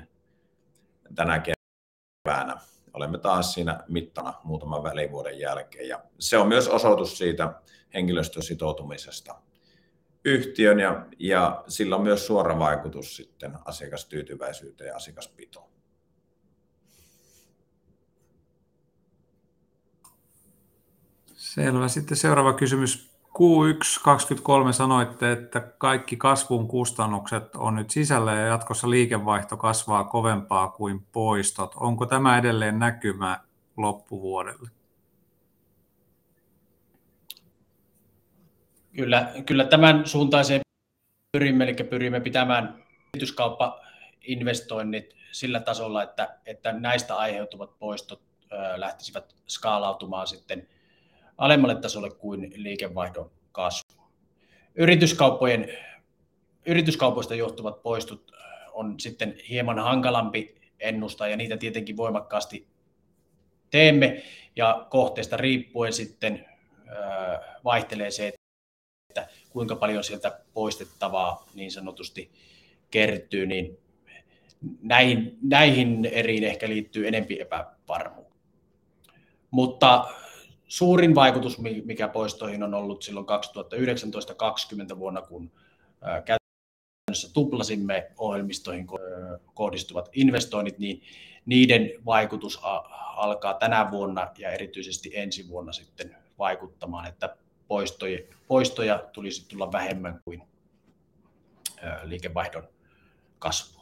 tänä keväänä. Olemme taas siinä mittana muutaman välivuoden jälkeen ja se on myös osoitus siitä henkilöstön sitoutumisesta yhtiöön ja sillä on myös suora vaikutus sitten asiakastyytyväisyyteen ja asiakaspitoon. Selvä, seuraava kysymys. Q123 sanoitte, että kaikki kasvun kustannukset on nyt sisällä ja jatkossa liikevaihto kasvaa kovempaa kuin poistot. Onko tämä edelleen näkymä loppuvuodelle? Kyllä, kyllä, tämän suuntaiseen pyrimme. Elikkä pyrimme pitämään yrityskauppainvestoinnit sillä tasolla, että näistä aiheutuvat poistot lähtisivät skaalautumaan sitten alemmalle tasolle kuin liikevaihdon kasvu. Yrityskaupoista johtuvat poistot on sitten hieman hankalampi ennustaa ja niitä tietenkin voimakkaasti teemme, ja kohteesta riippuen sitten vaihtelee se, että kuinka paljon sieltä poistettavaa niin sanotusti kertyy, niin näihin eriin ehkä liittyy enempi epävarmuutta. Mutta suurin vaikutus, mikä poistoihin on ollut silloin 2019-2020 vuonna, kun käytännössä tuplasimme ohjelmistoihin kohdistuvat investoinnit, niin niiden vaikutus alkaa tänä vuonna ja erityisesti ensi vuonna sitten vaikuttamaan, että poistojen poistoja tulisi tulla vähemmän kuin liikevaihdon kasvua.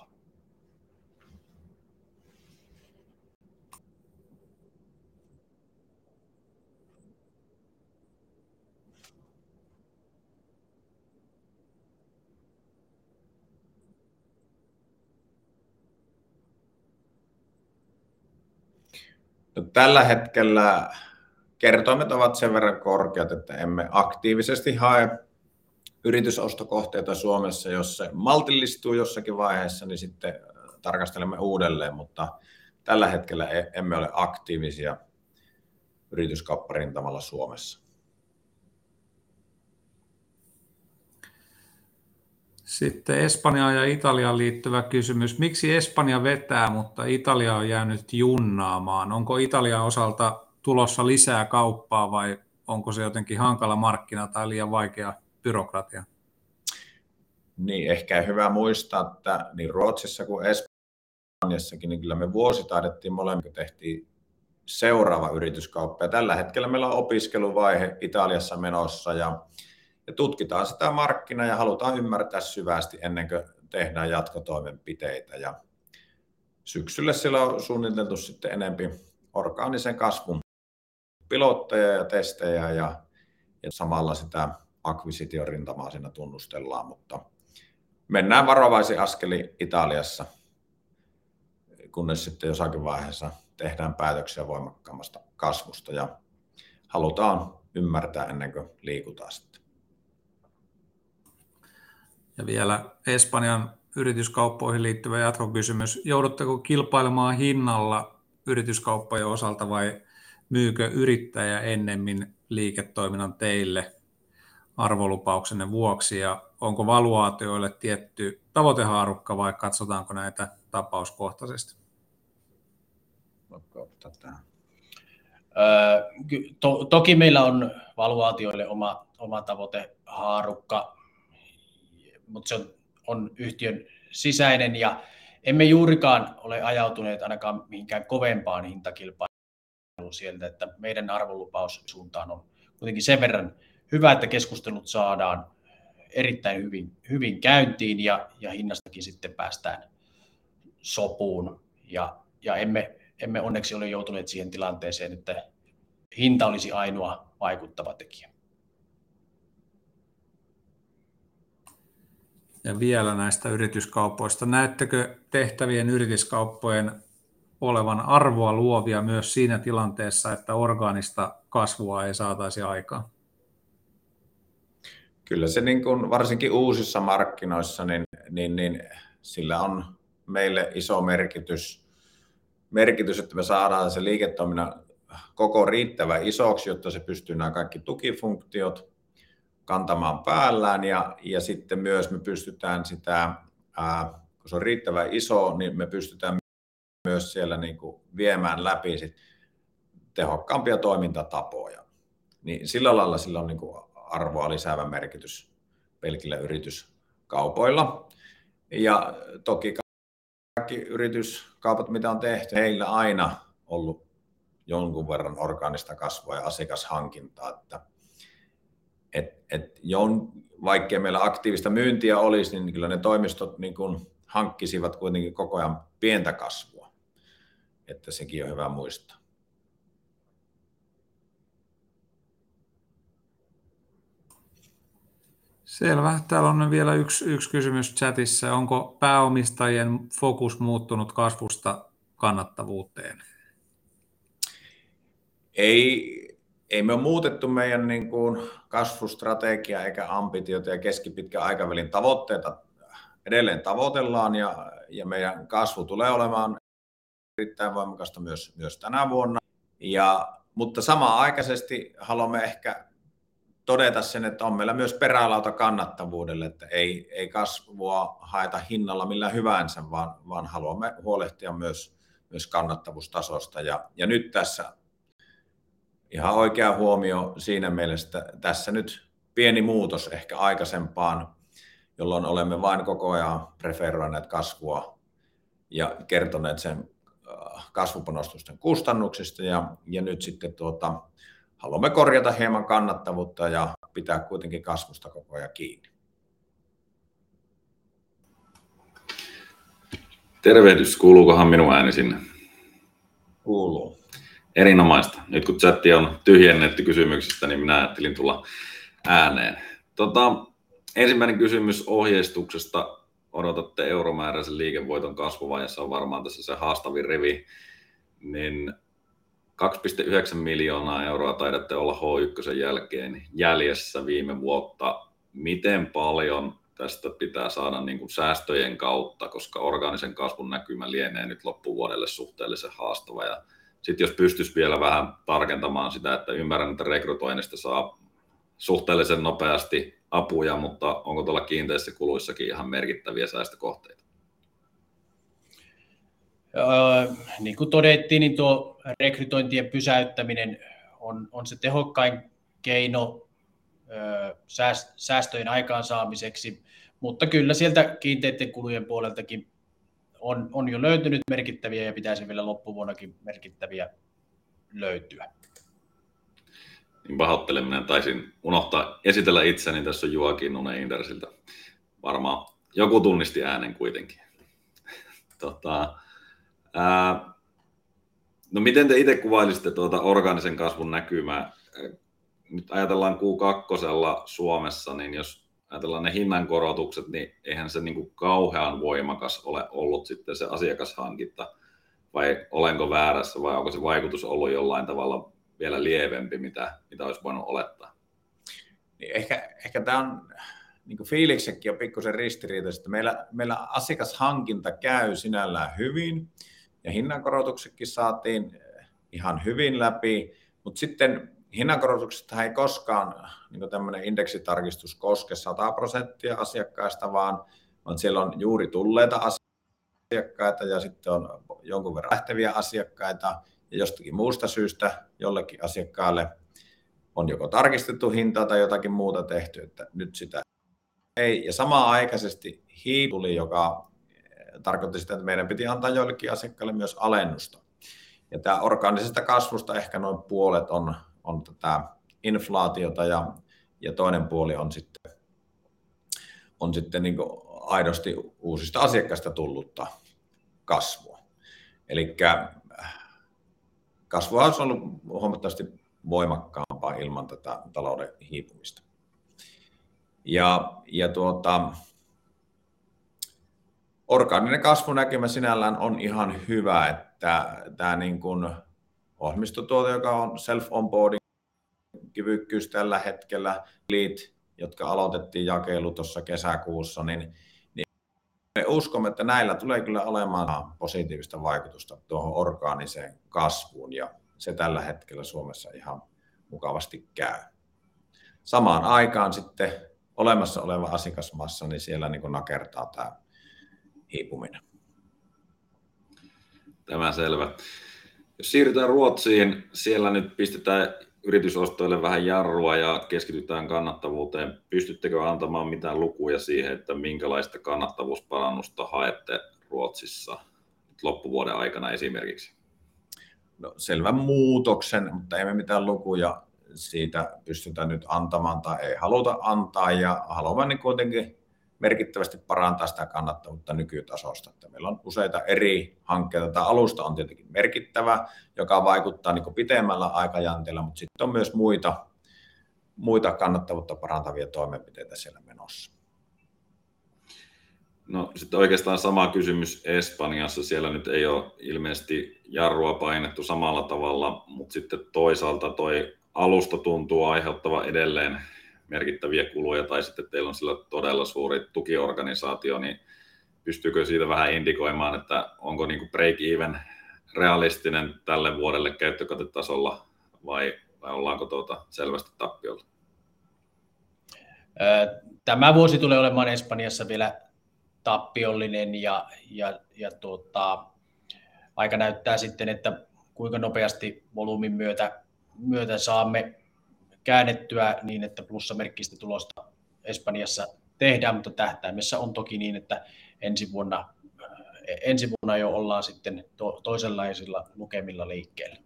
Tällä hetkellä kertoimet ovat sen verran korkeat, että emme aktiivisesti hae yritysostokohteita Suomessa. Jos se maltillistuu jossakin vaiheessa, niin sitten tarkastelemme uudelleen. Tällä hetkellä emme ole aktiivisia yrityskaupparintamalla Suomessa. Espanjaan ja Italiaan liittyvä kysymys. Miksi Espanja vetää, mutta Italia on jäänyt junnaamaan? Onko Italian osalta tulossa lisää kauppaa vai onko se jotenkin hankala markkina tai liian vaikea byrokratia? Niin, ehkä on hyvä muistaa, että niin Ruotsissa kuin Espanjassakin, niin kyllä me vuositaidettiin molemmat, tehtiin seuraava yrityskauppa, ja tällä hetkellä meillä on opiskeluvaihe Italiassa menossa ja tutkitaan sitä markkinaa ja halutaan ymmärtää syvästi ennen kuin tehdään jatkotoimenpiteitä. Syksylle siellä on suunniteltu sitten enempi orgaanisen kasvun pilotteja ja testejä ja samalla sitä akkvisitiorintamaa siinä tunnustellaan. Mennään varovaisin askelin Italiassa, kunnes sitten jossakin vaiheessa tehdään päätöksiä voimakkaammasta kasvusta ja halutaan ymmärtää ennen kuin liikutaan sitten. Vielä Espanjan yrityskauppoihin liittyvä jatkokysymys: joudutteko kilpailemaan hinnalla yrityskauppojen osalta vai myykö yrittäjä ennemmin liiketoiminnan teille arvolupauksenne vuoksi? Onko valuaatioille tietty tavoitehaarukka vai katsotaanko näitä tapauskohtaisesti? Voitko ottaa tämän? Toki meillä on valuaatioille oma tavoitehaarukka. Se on yhtiön sisäinen ja emme juurikaan ole ajautuneet ainakaan mihinkään kovempaan hintakilpailuun sieltä, että meidän arvolupaus suuntaan on kuitenkin sen verran hyvä, että keskustelut saadaan erittäin hyvin käyntiin ja hinnastakin sitten päästään sopuun. Emme onneksi ole joutuneet siihen tilanteeseen, että hinta olisi ainoa vaikuttava tekijä. Vielä näistä yrityskaupoista. Näettekö tehtävien yrityskauppojen olevan arvoa luovia myös siinä tilanteessa, että orgaanista kasvua ei saataisi aikaan? Kyllä se niin kuin varsinkin uusissa markkinoissa, niin, sillä on meille iso merkitys, että me saadaan se liiketoiminnan koko riittävän isoksi, jotta se pystyy nämä kaikki tukifunktiot kantamaan päällään. Sitten myös me pystytään sitä, kun se on riittävän iso, niin me pystytään myös siellä niinku viemään läpi sit tehokkaampia toimintatapoja, niin sillä lailla sillä on niinku arvoa lisäävä merkitys pelkillä yrityskaupoilla. Toki kaikki yrityskaupat, mitä on tehty, heillä aina ollut jonkun verran orgaanista kasvua ja asiakashankintaa, että vaikka ei meillä aktiivista myyntiä olisi, niin kyllä ne toimistot niinkun hankkisivat kuitenkin koko ajan pientä kasvua. Että sekin on hyvä muistaa. Selvä, täällä on vielä yks kysymys chatissa. Onko pääomistajien fokus muuttunut kasvusta kannattavuuteen? Ei me ole muutettu meidän niinkun kasvustrategiaa eikä ambitioita ja keskipitkän aikavälin tavoitteita edelleen tavoitellaan ja meidän kasvu tulee olemaan erittäin voimakasta myös tänä vuonna. Samanaikaisesti haluamme ehkä todeta sen, että on meillä myös perälauta kannattavuudelle, että ei kasvua haeta hinnalla millä hyvänsä, vaan haluamme huolehtia myös kannattavuustasosta. Nyt tässä ihan oikea huomio siinä mielessä, että tässä nyt pieni muutos ehkä aikaisempaan, jolloin olemme vain koko ajan preferoineet kasvua ja kertoneet sen kasvupanostusten kustannuksista. Nyt sitten haluamme korjata hieman kannattavuutta ja pitää kuitenkin kasvusta koko ajan kiinni. Tervehdys! Kuuluukohan minun ääni sinne? Kuuluu. Erinomaista. Nyt kun chatti on tyhjennetty kysymyksistä, niin minä ajattelin tulla ääneen. Ensimmäinen kysymys ohjeistuksesta? Odotatte euromääräisen liikevoiton kasvua, ja se on varmaan tässä se haastavin rivi, niin 2.9 million taidatte olla H1:n jälkeen jäljessä viime vuotta. Miten paljon tästä pitää saada säästöjen kautta, koska orgaanisen kasvun näkymä lienee nyt loppuvuodelle suhteellisen haastava? Jos pystyisi vielä vähän tarkentamaan sitä, että ymmärrän, että rekrytoinnista saa suhteellisen nopeasti apuja, mutta onko tuolla kiinteissä kuluissakin ihan merkittäviä säästökohteita? Niin kuin todettiin, niin tuo rekrytointien pysäyttäminen on se tehokkain keino, säästöjen aikaansaamiseksi, mutta kyllä sieltä kiinteitten kulujen puoleltakin on jo löytynyt merkittäviä ja pitäisi vielä loppuvuonnakin merkittäviä löytyä. Pahoittelut, minä taisin unohtaa esitellä itseni. Tässä on Joakim Nomen Inter siltä. Varmaan joku tunnisti äänen kuitenkin. no miten te itse kuvailisitte tuota orgaanisen kasvun näkymää? Nyt ajatellaan Q kakkosella Suomessa, niin jos ajatellaan ne hinnankorotukset, niin eihän se niinku kauhean voimakas ole ollut sitten se asiakashankinta. Vai olenko väärässä vai onko se vaikutus ollut jollain tavalla vielä lievempi, mitä olisi voinut olettaa? Ehkä tää on niinku fiiliksikin on pikkusen ristiriitaiset. Meillä asiakashankinta käy sinällään hyvin ja hinnankorotuksetkin saatiin ihan hyvin läpi. Sitten hinnankorotuksethan ei koskaan, niinku tämmöinen indeksitarkistus koske 100% asiakkaista, vaan siellä on juuri tulleita asiakkaita ja sitten on jonkun verran lähteviä asiakkaita ja jostakin muusta syystä jollekin asiakkaalle. On joko tarkistettu hintaa tai jotakin muuta tehty, että nyt sitä ei. Samanaikaisesti hiipuli, joka tarkoitti sitä, että meidän piti antaa joillekin asiakkaille myös alennusta. Tää orgaanisesta kasvusta ehkä noin puolet on tätä inflaatiota ja toinen puoli on sitten niinku aidosti uusista asiakkaista tullutta kasvua. Kasvuhan olisi ollut huomattavasti voimakkaampaa ilman tätä talouden hiipumista. Orgaaninen kasvunäkymä sinällään on ihan hyvä, että tää niin kun ohjelmistotuote, joka on self-onboarding kyvykkyys tällä hetkellä liit, jotka aloitettiin jakelu tuossa kesäkuussa, niin me uskomme, että näillä tulee kyllä olemaan positiivista vaikutusta tuohon orgaaniseen kasvuun ja se tällä hetkellä Suomessa ihan mukavasti käy. Samaan aikaan sitten olemassa oleva asiakasmassa, niin siellä niinku nakertaa tää hiipuminen. Tämä selvä. Siirrytään Ruotsiin, siellä nyt pistetään yritysostoille vähän jarrua ja keskitytään kannattavuuteen. Pystyttekö antamaan mitään lukuja siihen, että minkälaista kannattavuusparannusta haette Ruotsissa loppuvuoden aikana esimerkiksi? No, selvän muutoksen, mutta ei me mitään lukuja siitä pystytä nyt antamaan tai ei haluta antaa. Haluamme niinku kuitenkin merkittävästi parantaa sitä kannattavuutta nykytasosta, että meillä on useita eri hankkeita. Tää alusta on tietenkin merkittävä, joka vaikuttaa niinku pitemmällä aikajänteellä, mutta sitten on myös muita kannattavuutta parantavia toimenpiteitä siellä menossa. Oikeastaan sama kysymys Espanjassa. Siellä nyt ei ole ilmeisesti jarrua painettu samalla tavalla, toisaalta toi alusta tuntuu aiheuttavan edelleen merkittäviä kuluja. Teillä on siellä todella suuri tukiorganisaatio, pystyykö siitä vähän indikoimaan, että onko niinku break even realistinen tälle vuodelle käyttökatetasolla vai ollaanko tuota selvästi tappiolla? Tämä vuosi tulee olemaan Espanjassa vielä tappiollinen, aika näyttää sitten, että kuinka nopeasti volyymin myötä saamme käännettyä niin, että plussamerkkistä tulosta Espanjassa tehdään. Tähtäimessä on toki niin, että ensi vuonna jo ollaan sitten toisenlaisilla lukemilla liikkeellä.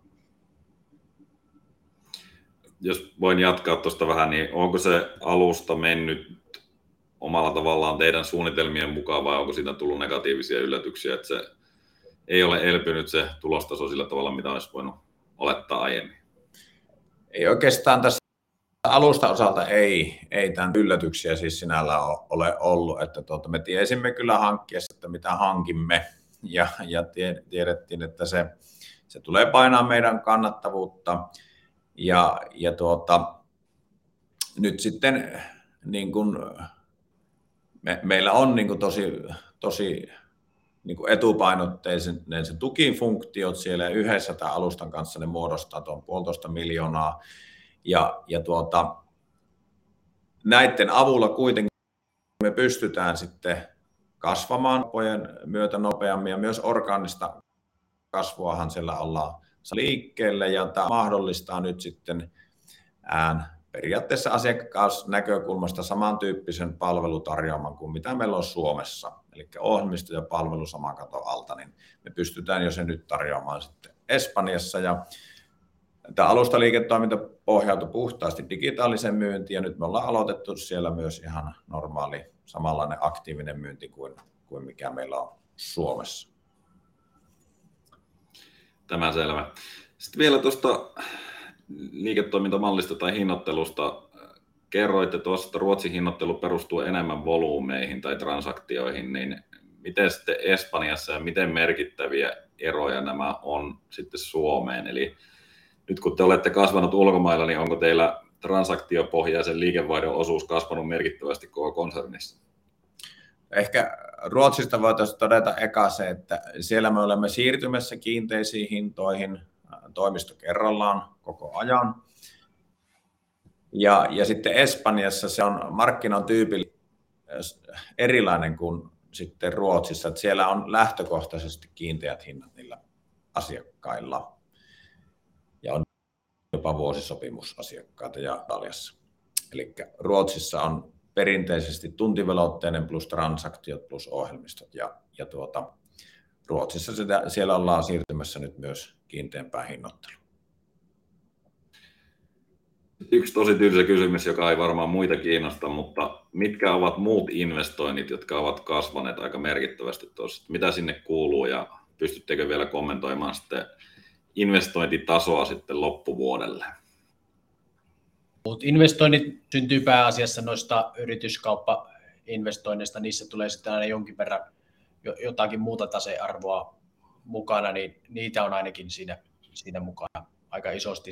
Jos voin jatkaa tosta vähän, niin onko se alusta mennyt omalla tavallaan teidän suunnitelmien mukaan vai onko siitä tullut negatiivisia yllätyksiä, että se ei ole elpynyt se tulostaso sillä tavalla, mitä olisi voinut olettaa aiemmin? Ei oikeastaan tässä alustan osalta ei tän yllätyksiä siis sinällään ole ollut. Tuota me tiesimme kyllä hankkiessa, että mitä hankimme, ja tiedettiin, että se tulee painamaan meidän kannattavuutta. Tuota, nyt sitten, niin kun meillä on niinku tosi niinku etupainotteiset ne tukifunktiot siellä ja yhdessä tän alustan kanssa ne muodostaa tuon EUR puoltoista miljoonaa. Tuota, näitten avulla kuitenkin me pystytään sitten kasvamaan oppien myötä nopeammin ja myös orgaanista kasvuahan siellä ollaan liikkeelle ja tää mahdollistaa nyt sitten periaatteessa asiakasnäkökulmasta samantyyppisen palvelutarjoaman kuin mitä meillä on Suomessa. Elikkä ohjelmisto ja palvelu saman katon alta, niin me pystytään jo se nyt tarjoamaan sitten Espanjassa. Tää alustaliiketoiminta pohjautuu puhtaasti digitaaliseen myyntiin ja nyt me ollaan aloitettu siellä myös ihan normaali, samanlainen aktiivinen myynti kuin mikä meillä on Suomessa. Tämä selvä. Vielä tuosta liiketoimintamallista tai hinnoittelusta. Kerroitte tuossa, että Ruotsin hinnoittelu perustuu enemmän volyymeihin tai transaktioihin, niin miten sitten Espanjassa ja miten merkittäviä eroja nämä on sitten Suomeen? Nyt kun te olette kasvanut ulkomailla, niin onko teillä transaktiopohjaisen liikevaihdon osuus kasvanut merkittävästi koko konsernissa? Ehkä Ruotsista voitais todeta eka se, että siellä me olemme siirtymässä kiinteisiin hintoihin toimisto kerrallaan koko ajan. Sitten Espanjassa se on erilainen kuin sitten Ruotsissa, että siellä on lähtökohtaisesti kiinteät hinnat niillä asiakkailla ja on jopa vuosisopimusasiakkaita ja Italiassa. Ruotsissa on perinteisesti tuntiveloitteinen plus transaktiot plus ohjelmistot, ja tuota, Ruotsissa siellä ollaan siirtymässä nyt myös kiinteämpään hinnoitteluun. Yks tosi tylsä kysymys, joka ei varmaan muita kiinnosta, mutta mitkä ovat muut investoinnit, jotka ovat kasvaneet aika merkittävästi tuossa? Mitä sinne kuuluu, ja pystyttekö vielä kommentoimaan sitten investointitasoa sitten loppuvuodelle? Muut investoinnit syntyy pääasiassa noista yrityskauppainvestoinneista. Niissä tulee sitten aina jonkin verran jotakin muuta tasearvoa mukana, niin niitä on ainakin siinä mukana aika isosti.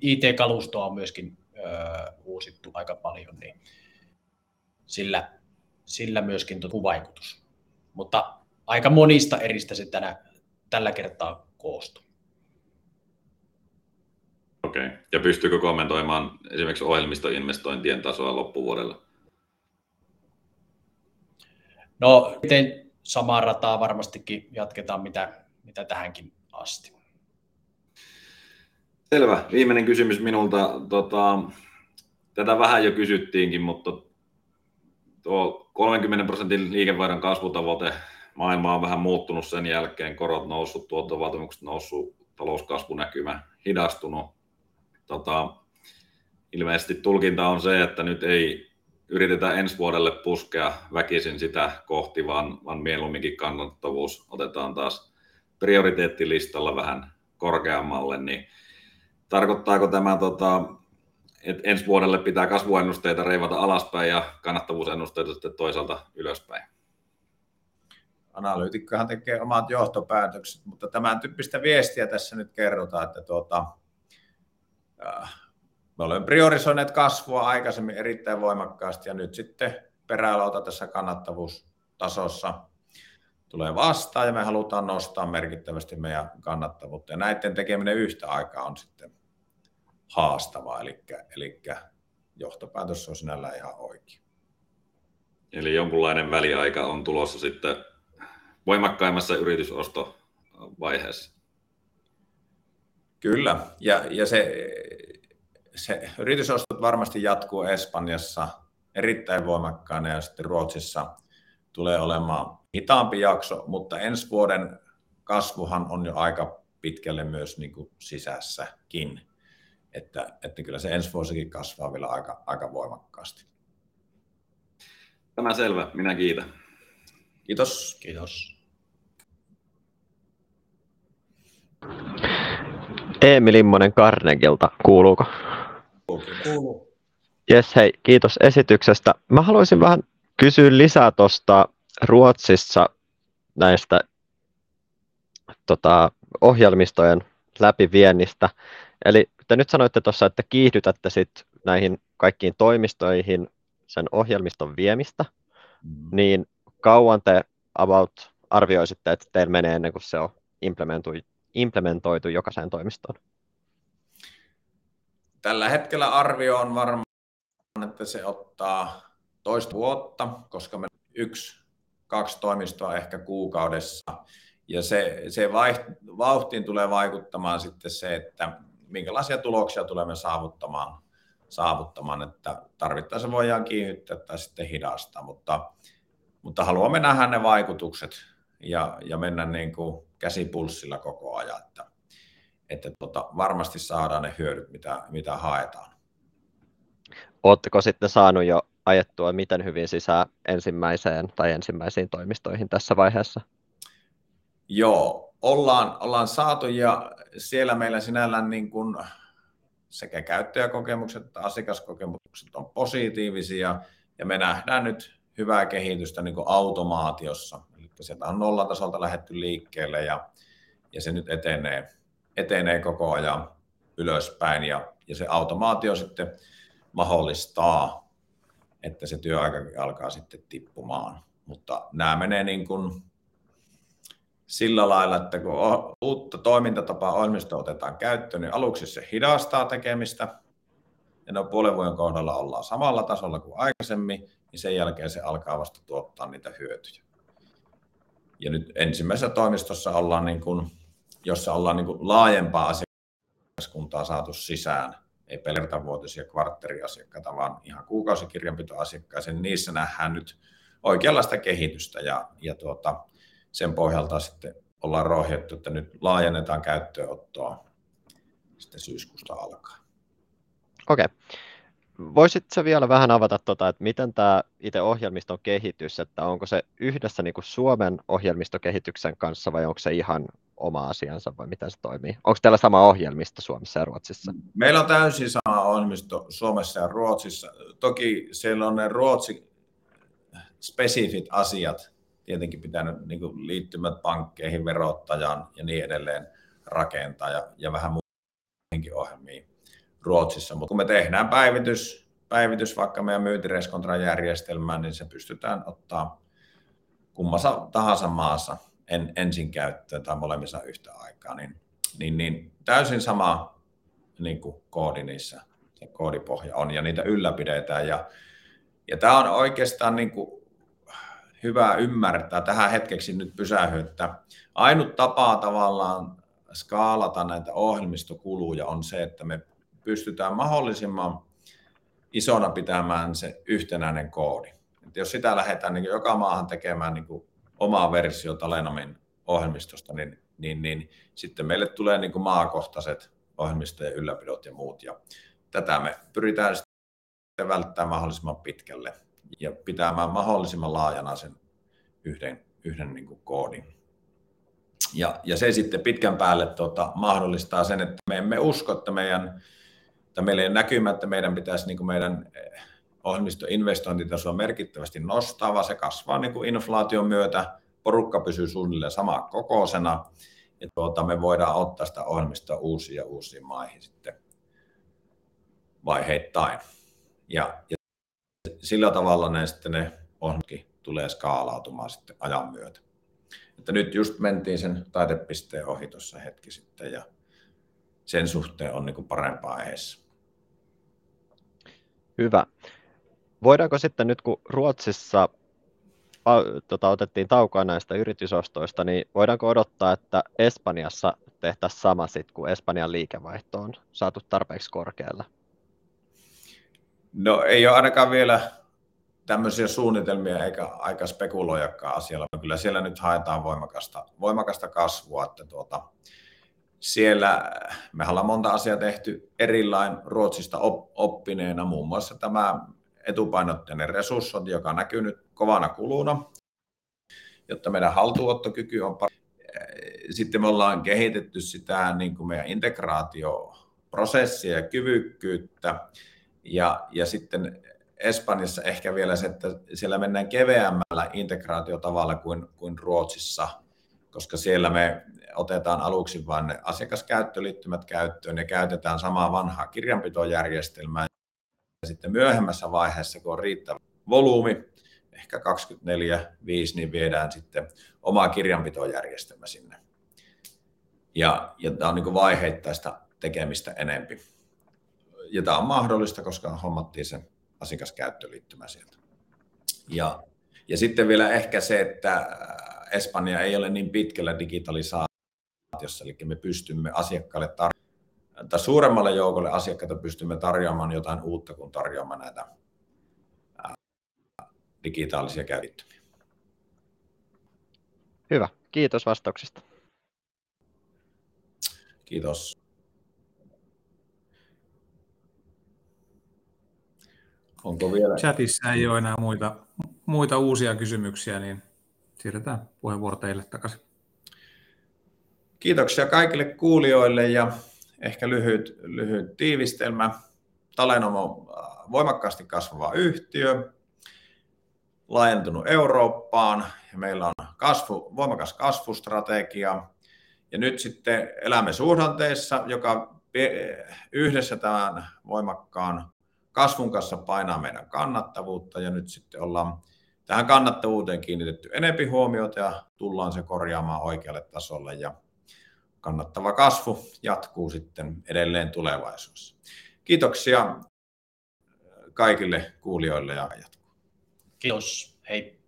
IT-kalustoa on myöskin uusittu aika paljon, niin sillä myöskin toki vaikutus, mutta aika monista eristä se tällä kertaa koostui. Okei, pystyykö kommentoimaan esimerkiksi ohjelmistoinvestointien tasoa loppuvuodelle?... itse samaa rataa varmastikin jatketaan mitä tähänkin asti. Selvä! Viimeinen kysymys minulta. Tota, tätä vähän jo kysyttiinkin, mutta tuo 30% liikevaihdon kasvutavoite. Maailma on vähän muuttunut sen jälkeen, korot noussut, tuottovaatimukset noussut, talouskasvunäkymä hidastunut. Tota, ilmeisesti tulkinta on se, että nyt ei yritetä ensi vuodelle puskea väkisin sitä kohti, vaan mieluumminkin kannattavuus otetaan taas prioriteettilistalla vähän korkeammalle. Tarkoittaako tämä tota, että ensi vuodelle pitää kasvuennusteita reivata alaspäin ja kannattavuusennusteita sitten toisaalta ylöspäin? Analyytikkohan tekee omat johtopäätökset, mutta tämän tyyppistä viestiä tässä nyt kerrotaan, että tuota, me olemme priorisoineet kasvua aikaisemmin erittäin voimakkaasti ja nyt sitten peräalalta tässä kannattavuustasossa tulee vastaan ja me halutaan nostaa merkittävästi meidän kannattavuutta. Näitten tekeminen yhtä aikaa on sitten haastavaa. Johtopäätös on sinällään ihan oikein. Jonkunlainen väliaika on tulossa sitten voimakkaimmassa yritysostovaiheessa. Kyllä, se yritysostot varmasti jatkuu Espanjassa erittäin voimakkaana. Sitten Ruotsissa tulee olemaan hitaampi jakso. Ensi vuoden kasvuhan on jo aika pitkälle myös niinku sisässäkin, että kyllä se ensi vuosikin kasvaa vielä aika voimakkaasti. Tämä selvä, minä kiitän. Kiitos. Kiitos! Emil Immonen Carnegieelta. Kuuluuko? Kuuluu. Jes, hei, kiitos esityksestä! Mä haluaisin vähän kysyä lisää tosta Ruotsissa näistä, ohjelmistojen läpiviennistä. Eli te nyt sanoitte tuossa, että te kiihdytätte sitten näihin kaikkiin toimistoihin sen ohjelmiston viemistä, niin kauan te about arvioisitte, että teillä menee ennen kuin se on implementoitu jokaiseen toimistoon? Tällä hetkellä arvio on varmaan, että se ottaa toista vuotta, koska meillä one-two toimistoa ehkä kuukaudessa ja se vauhtiin tulee vaikuttamaan sitten se, että minkälaisia tuloksia tulemme saavuttamaan, että tarvittaessa voidaan kiihdyttää tai sitten hidastaa. Haluamme nähdä ne vaikutukset ja mennä niinku käsi pulssilla koko ajan, että varmasti saadaan ne hyödyt, mitä haetaan. Ootteko sitten saanut jo ajettua miten hyvin sisään ensimmäiseen tai ensimmäisiin toimistoihin tässä vaiheessa? Ollaan saatu ja siellä meillä sinällään niin kuin sekä käyttäjäkokemukset että asiakaskokemukset on positiivisia ja me nähdään nyt hyvää kehitystä niin kuin automaatiossa. Elikkä sieltä on nollatasolta lähdetty liikkeelle ja se nyt etenee koko ajan ylöspäin ja se automaatio sitten mahdollistaa, että se työaikakin alkaa sitten tippumaan. Nämä menee niin kuin sillä lailla, että kun uutta toimintatapaa ohjelmisto otetaan käyttöön, niin aluksi se hidastaa tekemistä ja noin puolen vuoden kohdalla ollaan samalla tasolla kuin aikaisemmin, niin sen jälkeen se alkaa vasta tuottaa niitä hyötyjä. Nyt ensimmäisessä toimistossa ollaan niin kuin, jossa ollaan niin kuin laajempaa asiakaskuntaa saatu sisään. Ei pelkät vuotuisia kvarttariasiakkaita, vaan ihan kuukausikirjanpitoasiakkaita, niin niissä nähdään nyt oikeanlaista kehitystä ja tuota, sen pohjalta sitten ollaan rohjettu, että nyt laajennetaan käyttöönottoa sitten syyskuusta alkaen. Voisitko vielä vähän avata tota, että miten tää itse ohjelmistokehitys, että onko se yhdessä niinku Suomen ohjelmistokehityksen kanssa vai onko se ihan oma asiansa vai miten se toimii? Onko teillä sama ohjelmisto Suomessa ja Ruotsissa? Meillä on täysin sama ohjelmisto Suomessa ja Ruotsissa. Toki siellä on ne Ruotsi-spesifit asiat tietenkin pitänyt niinku liittymät pankkeihin, verottajaan ja niin edelleen rakentaa ja vähän muihinkin ohjelmiin Ruotsissa. Mutta kun me tehdään päivitys vaikka meidän myyntireskontrajärjestelmään, niin se pystytään ottaa kummassa tahansa maassa ensin käyttöön tai molemmissa yhtä aikaa, niin täysin sama niinku koodi niissä se koodipohja on ja niitä ylläpidetään. Tää on oikeastaan niinku hyvä ymmärtää. Tähän hetkeksi nyt pysähdyn, että ainut tapa tavallaan skaalata näitä ohjelmistokuluja on se, että me pystytään mahdollisimman isona pitämään se yhtenäinen koodi. Että jos sitä lähdetään joka maahan tekemään niinku omaa versiota Lemonsoft ohjelmistosta, niin sitten meille tulee niinku maakohtaiset ohjelmistojen ylläpidot ja muut. Tätä me pyritään sitten välttää mahdollisimman pitkälle ja pitämään mahdollisimman laajana sen yhden niinku koodin, ja se sitten pitkän päälle tota mahdollistaa sen, että me emme usko, että meillä ei ole näkymää, että meidän pitäisi niinku meidän ohjelmistoinvestointitasoa merkittävästi nostaa, vaan se kasvaa niinku inflaation myötä. Porukka pysyy suunnilleen saman kokoisena, ja tuota me voidaan ottaa sitä ohjelmistoa uusiin ja uusiin maihin sitten vaiheittain. Sillä tavalla nää sitten ne ohjelmatkin tulee skaalautumaan sitten ajan myötä. Nyt just mentiin sen taitepisteen ohi tuossa hetki sitten ja sen suhteen on niinku parempaa edessä. Hyvä! Voidaanko nyt, kun Ruotsissa otettiin taukoa näistä yritysostoista, niin voidaanko odottaa, että Espanjassa tehtäisiin sama sitten, kun Espanjan liikevaihto on saatu tarpeeksi korkealle? Ei ole ainakaan vielä tämmöisiä suunnitelmia eikä aika spekuloidakaan asialla. Kyllä siellä nyt haetaan voimakasta kasvua. Mehän ollaan monta asiaa tehty erillain Ruotsista oppineena. Muun muassa tämä etupainotteinen resursointi, joka näkyy nyt kovana kuluna, jotta meidän haltuunottokyky on pare... Me ollaan kehitetty sitä niinku meidän integraatioprosessia ja kyvykkyyttä. Sitten Espanjassa ehkä vielä se, että siellä mennään keveämmällä integraatiotavalla kuin Ruotsissa, koska siellä me otetaan aluksi vain ne asiakaskäyttöliittymät käyttöön ja käytetään samaa vanhaa kirjanpitojärjestelmää ja sitten myöhemmässä vaiheessa, kun on riittävä volyymi, ehkä 2024-2025, niin viedään sitten oma kirjanpitojärjestelmä sinne. Tää on niinku vaiheittaista tekemistä enempi. Tää on mahdollista, koska hommattiin se asiakaskäyttöliittymä sieltä. Sitten vielä ehkä se, että Espanja ei ole niin pitkällä digitalisaatiossa, elikkä me pystymme asiakkaalle tar... tai suuremmalle joukolle asiakkaita pystymme tarjoamaan jotain uutta kuin tarjoamaan näitä digitaalisia käytettäviä. Hyvä, kiitos vastauksesta! Kiitos. Onko vielä- Chatissa ei ole enää muita uusia kysymyksiä, niin siirretään puheenvuoro teille takaisin. Kiitoksia kaikille kuulijoille. Ehkä lyhyt tiivistelmä. Talenom on voimakkaasti kasvava yhtiö, laajentunut Eurooppaan ja meillä on voimakas kasvustrategia. Nyt sitten elämme suhdanteissa, joka yhdessä tämän voimakkaan kasvun kanssa painaa meidän kannattavuutta. Nyt sitten ollaan tähän kannattavuuteen kiinnitetty enempi huomiota ja tullaan se korjaamaan oikealle tasolle ja kannattava kasvu jatkuu sitten edelleen tulevaisuudessa. Kiitoksia kaikille kuulijoille ja jatkuu. Kiitos, hei!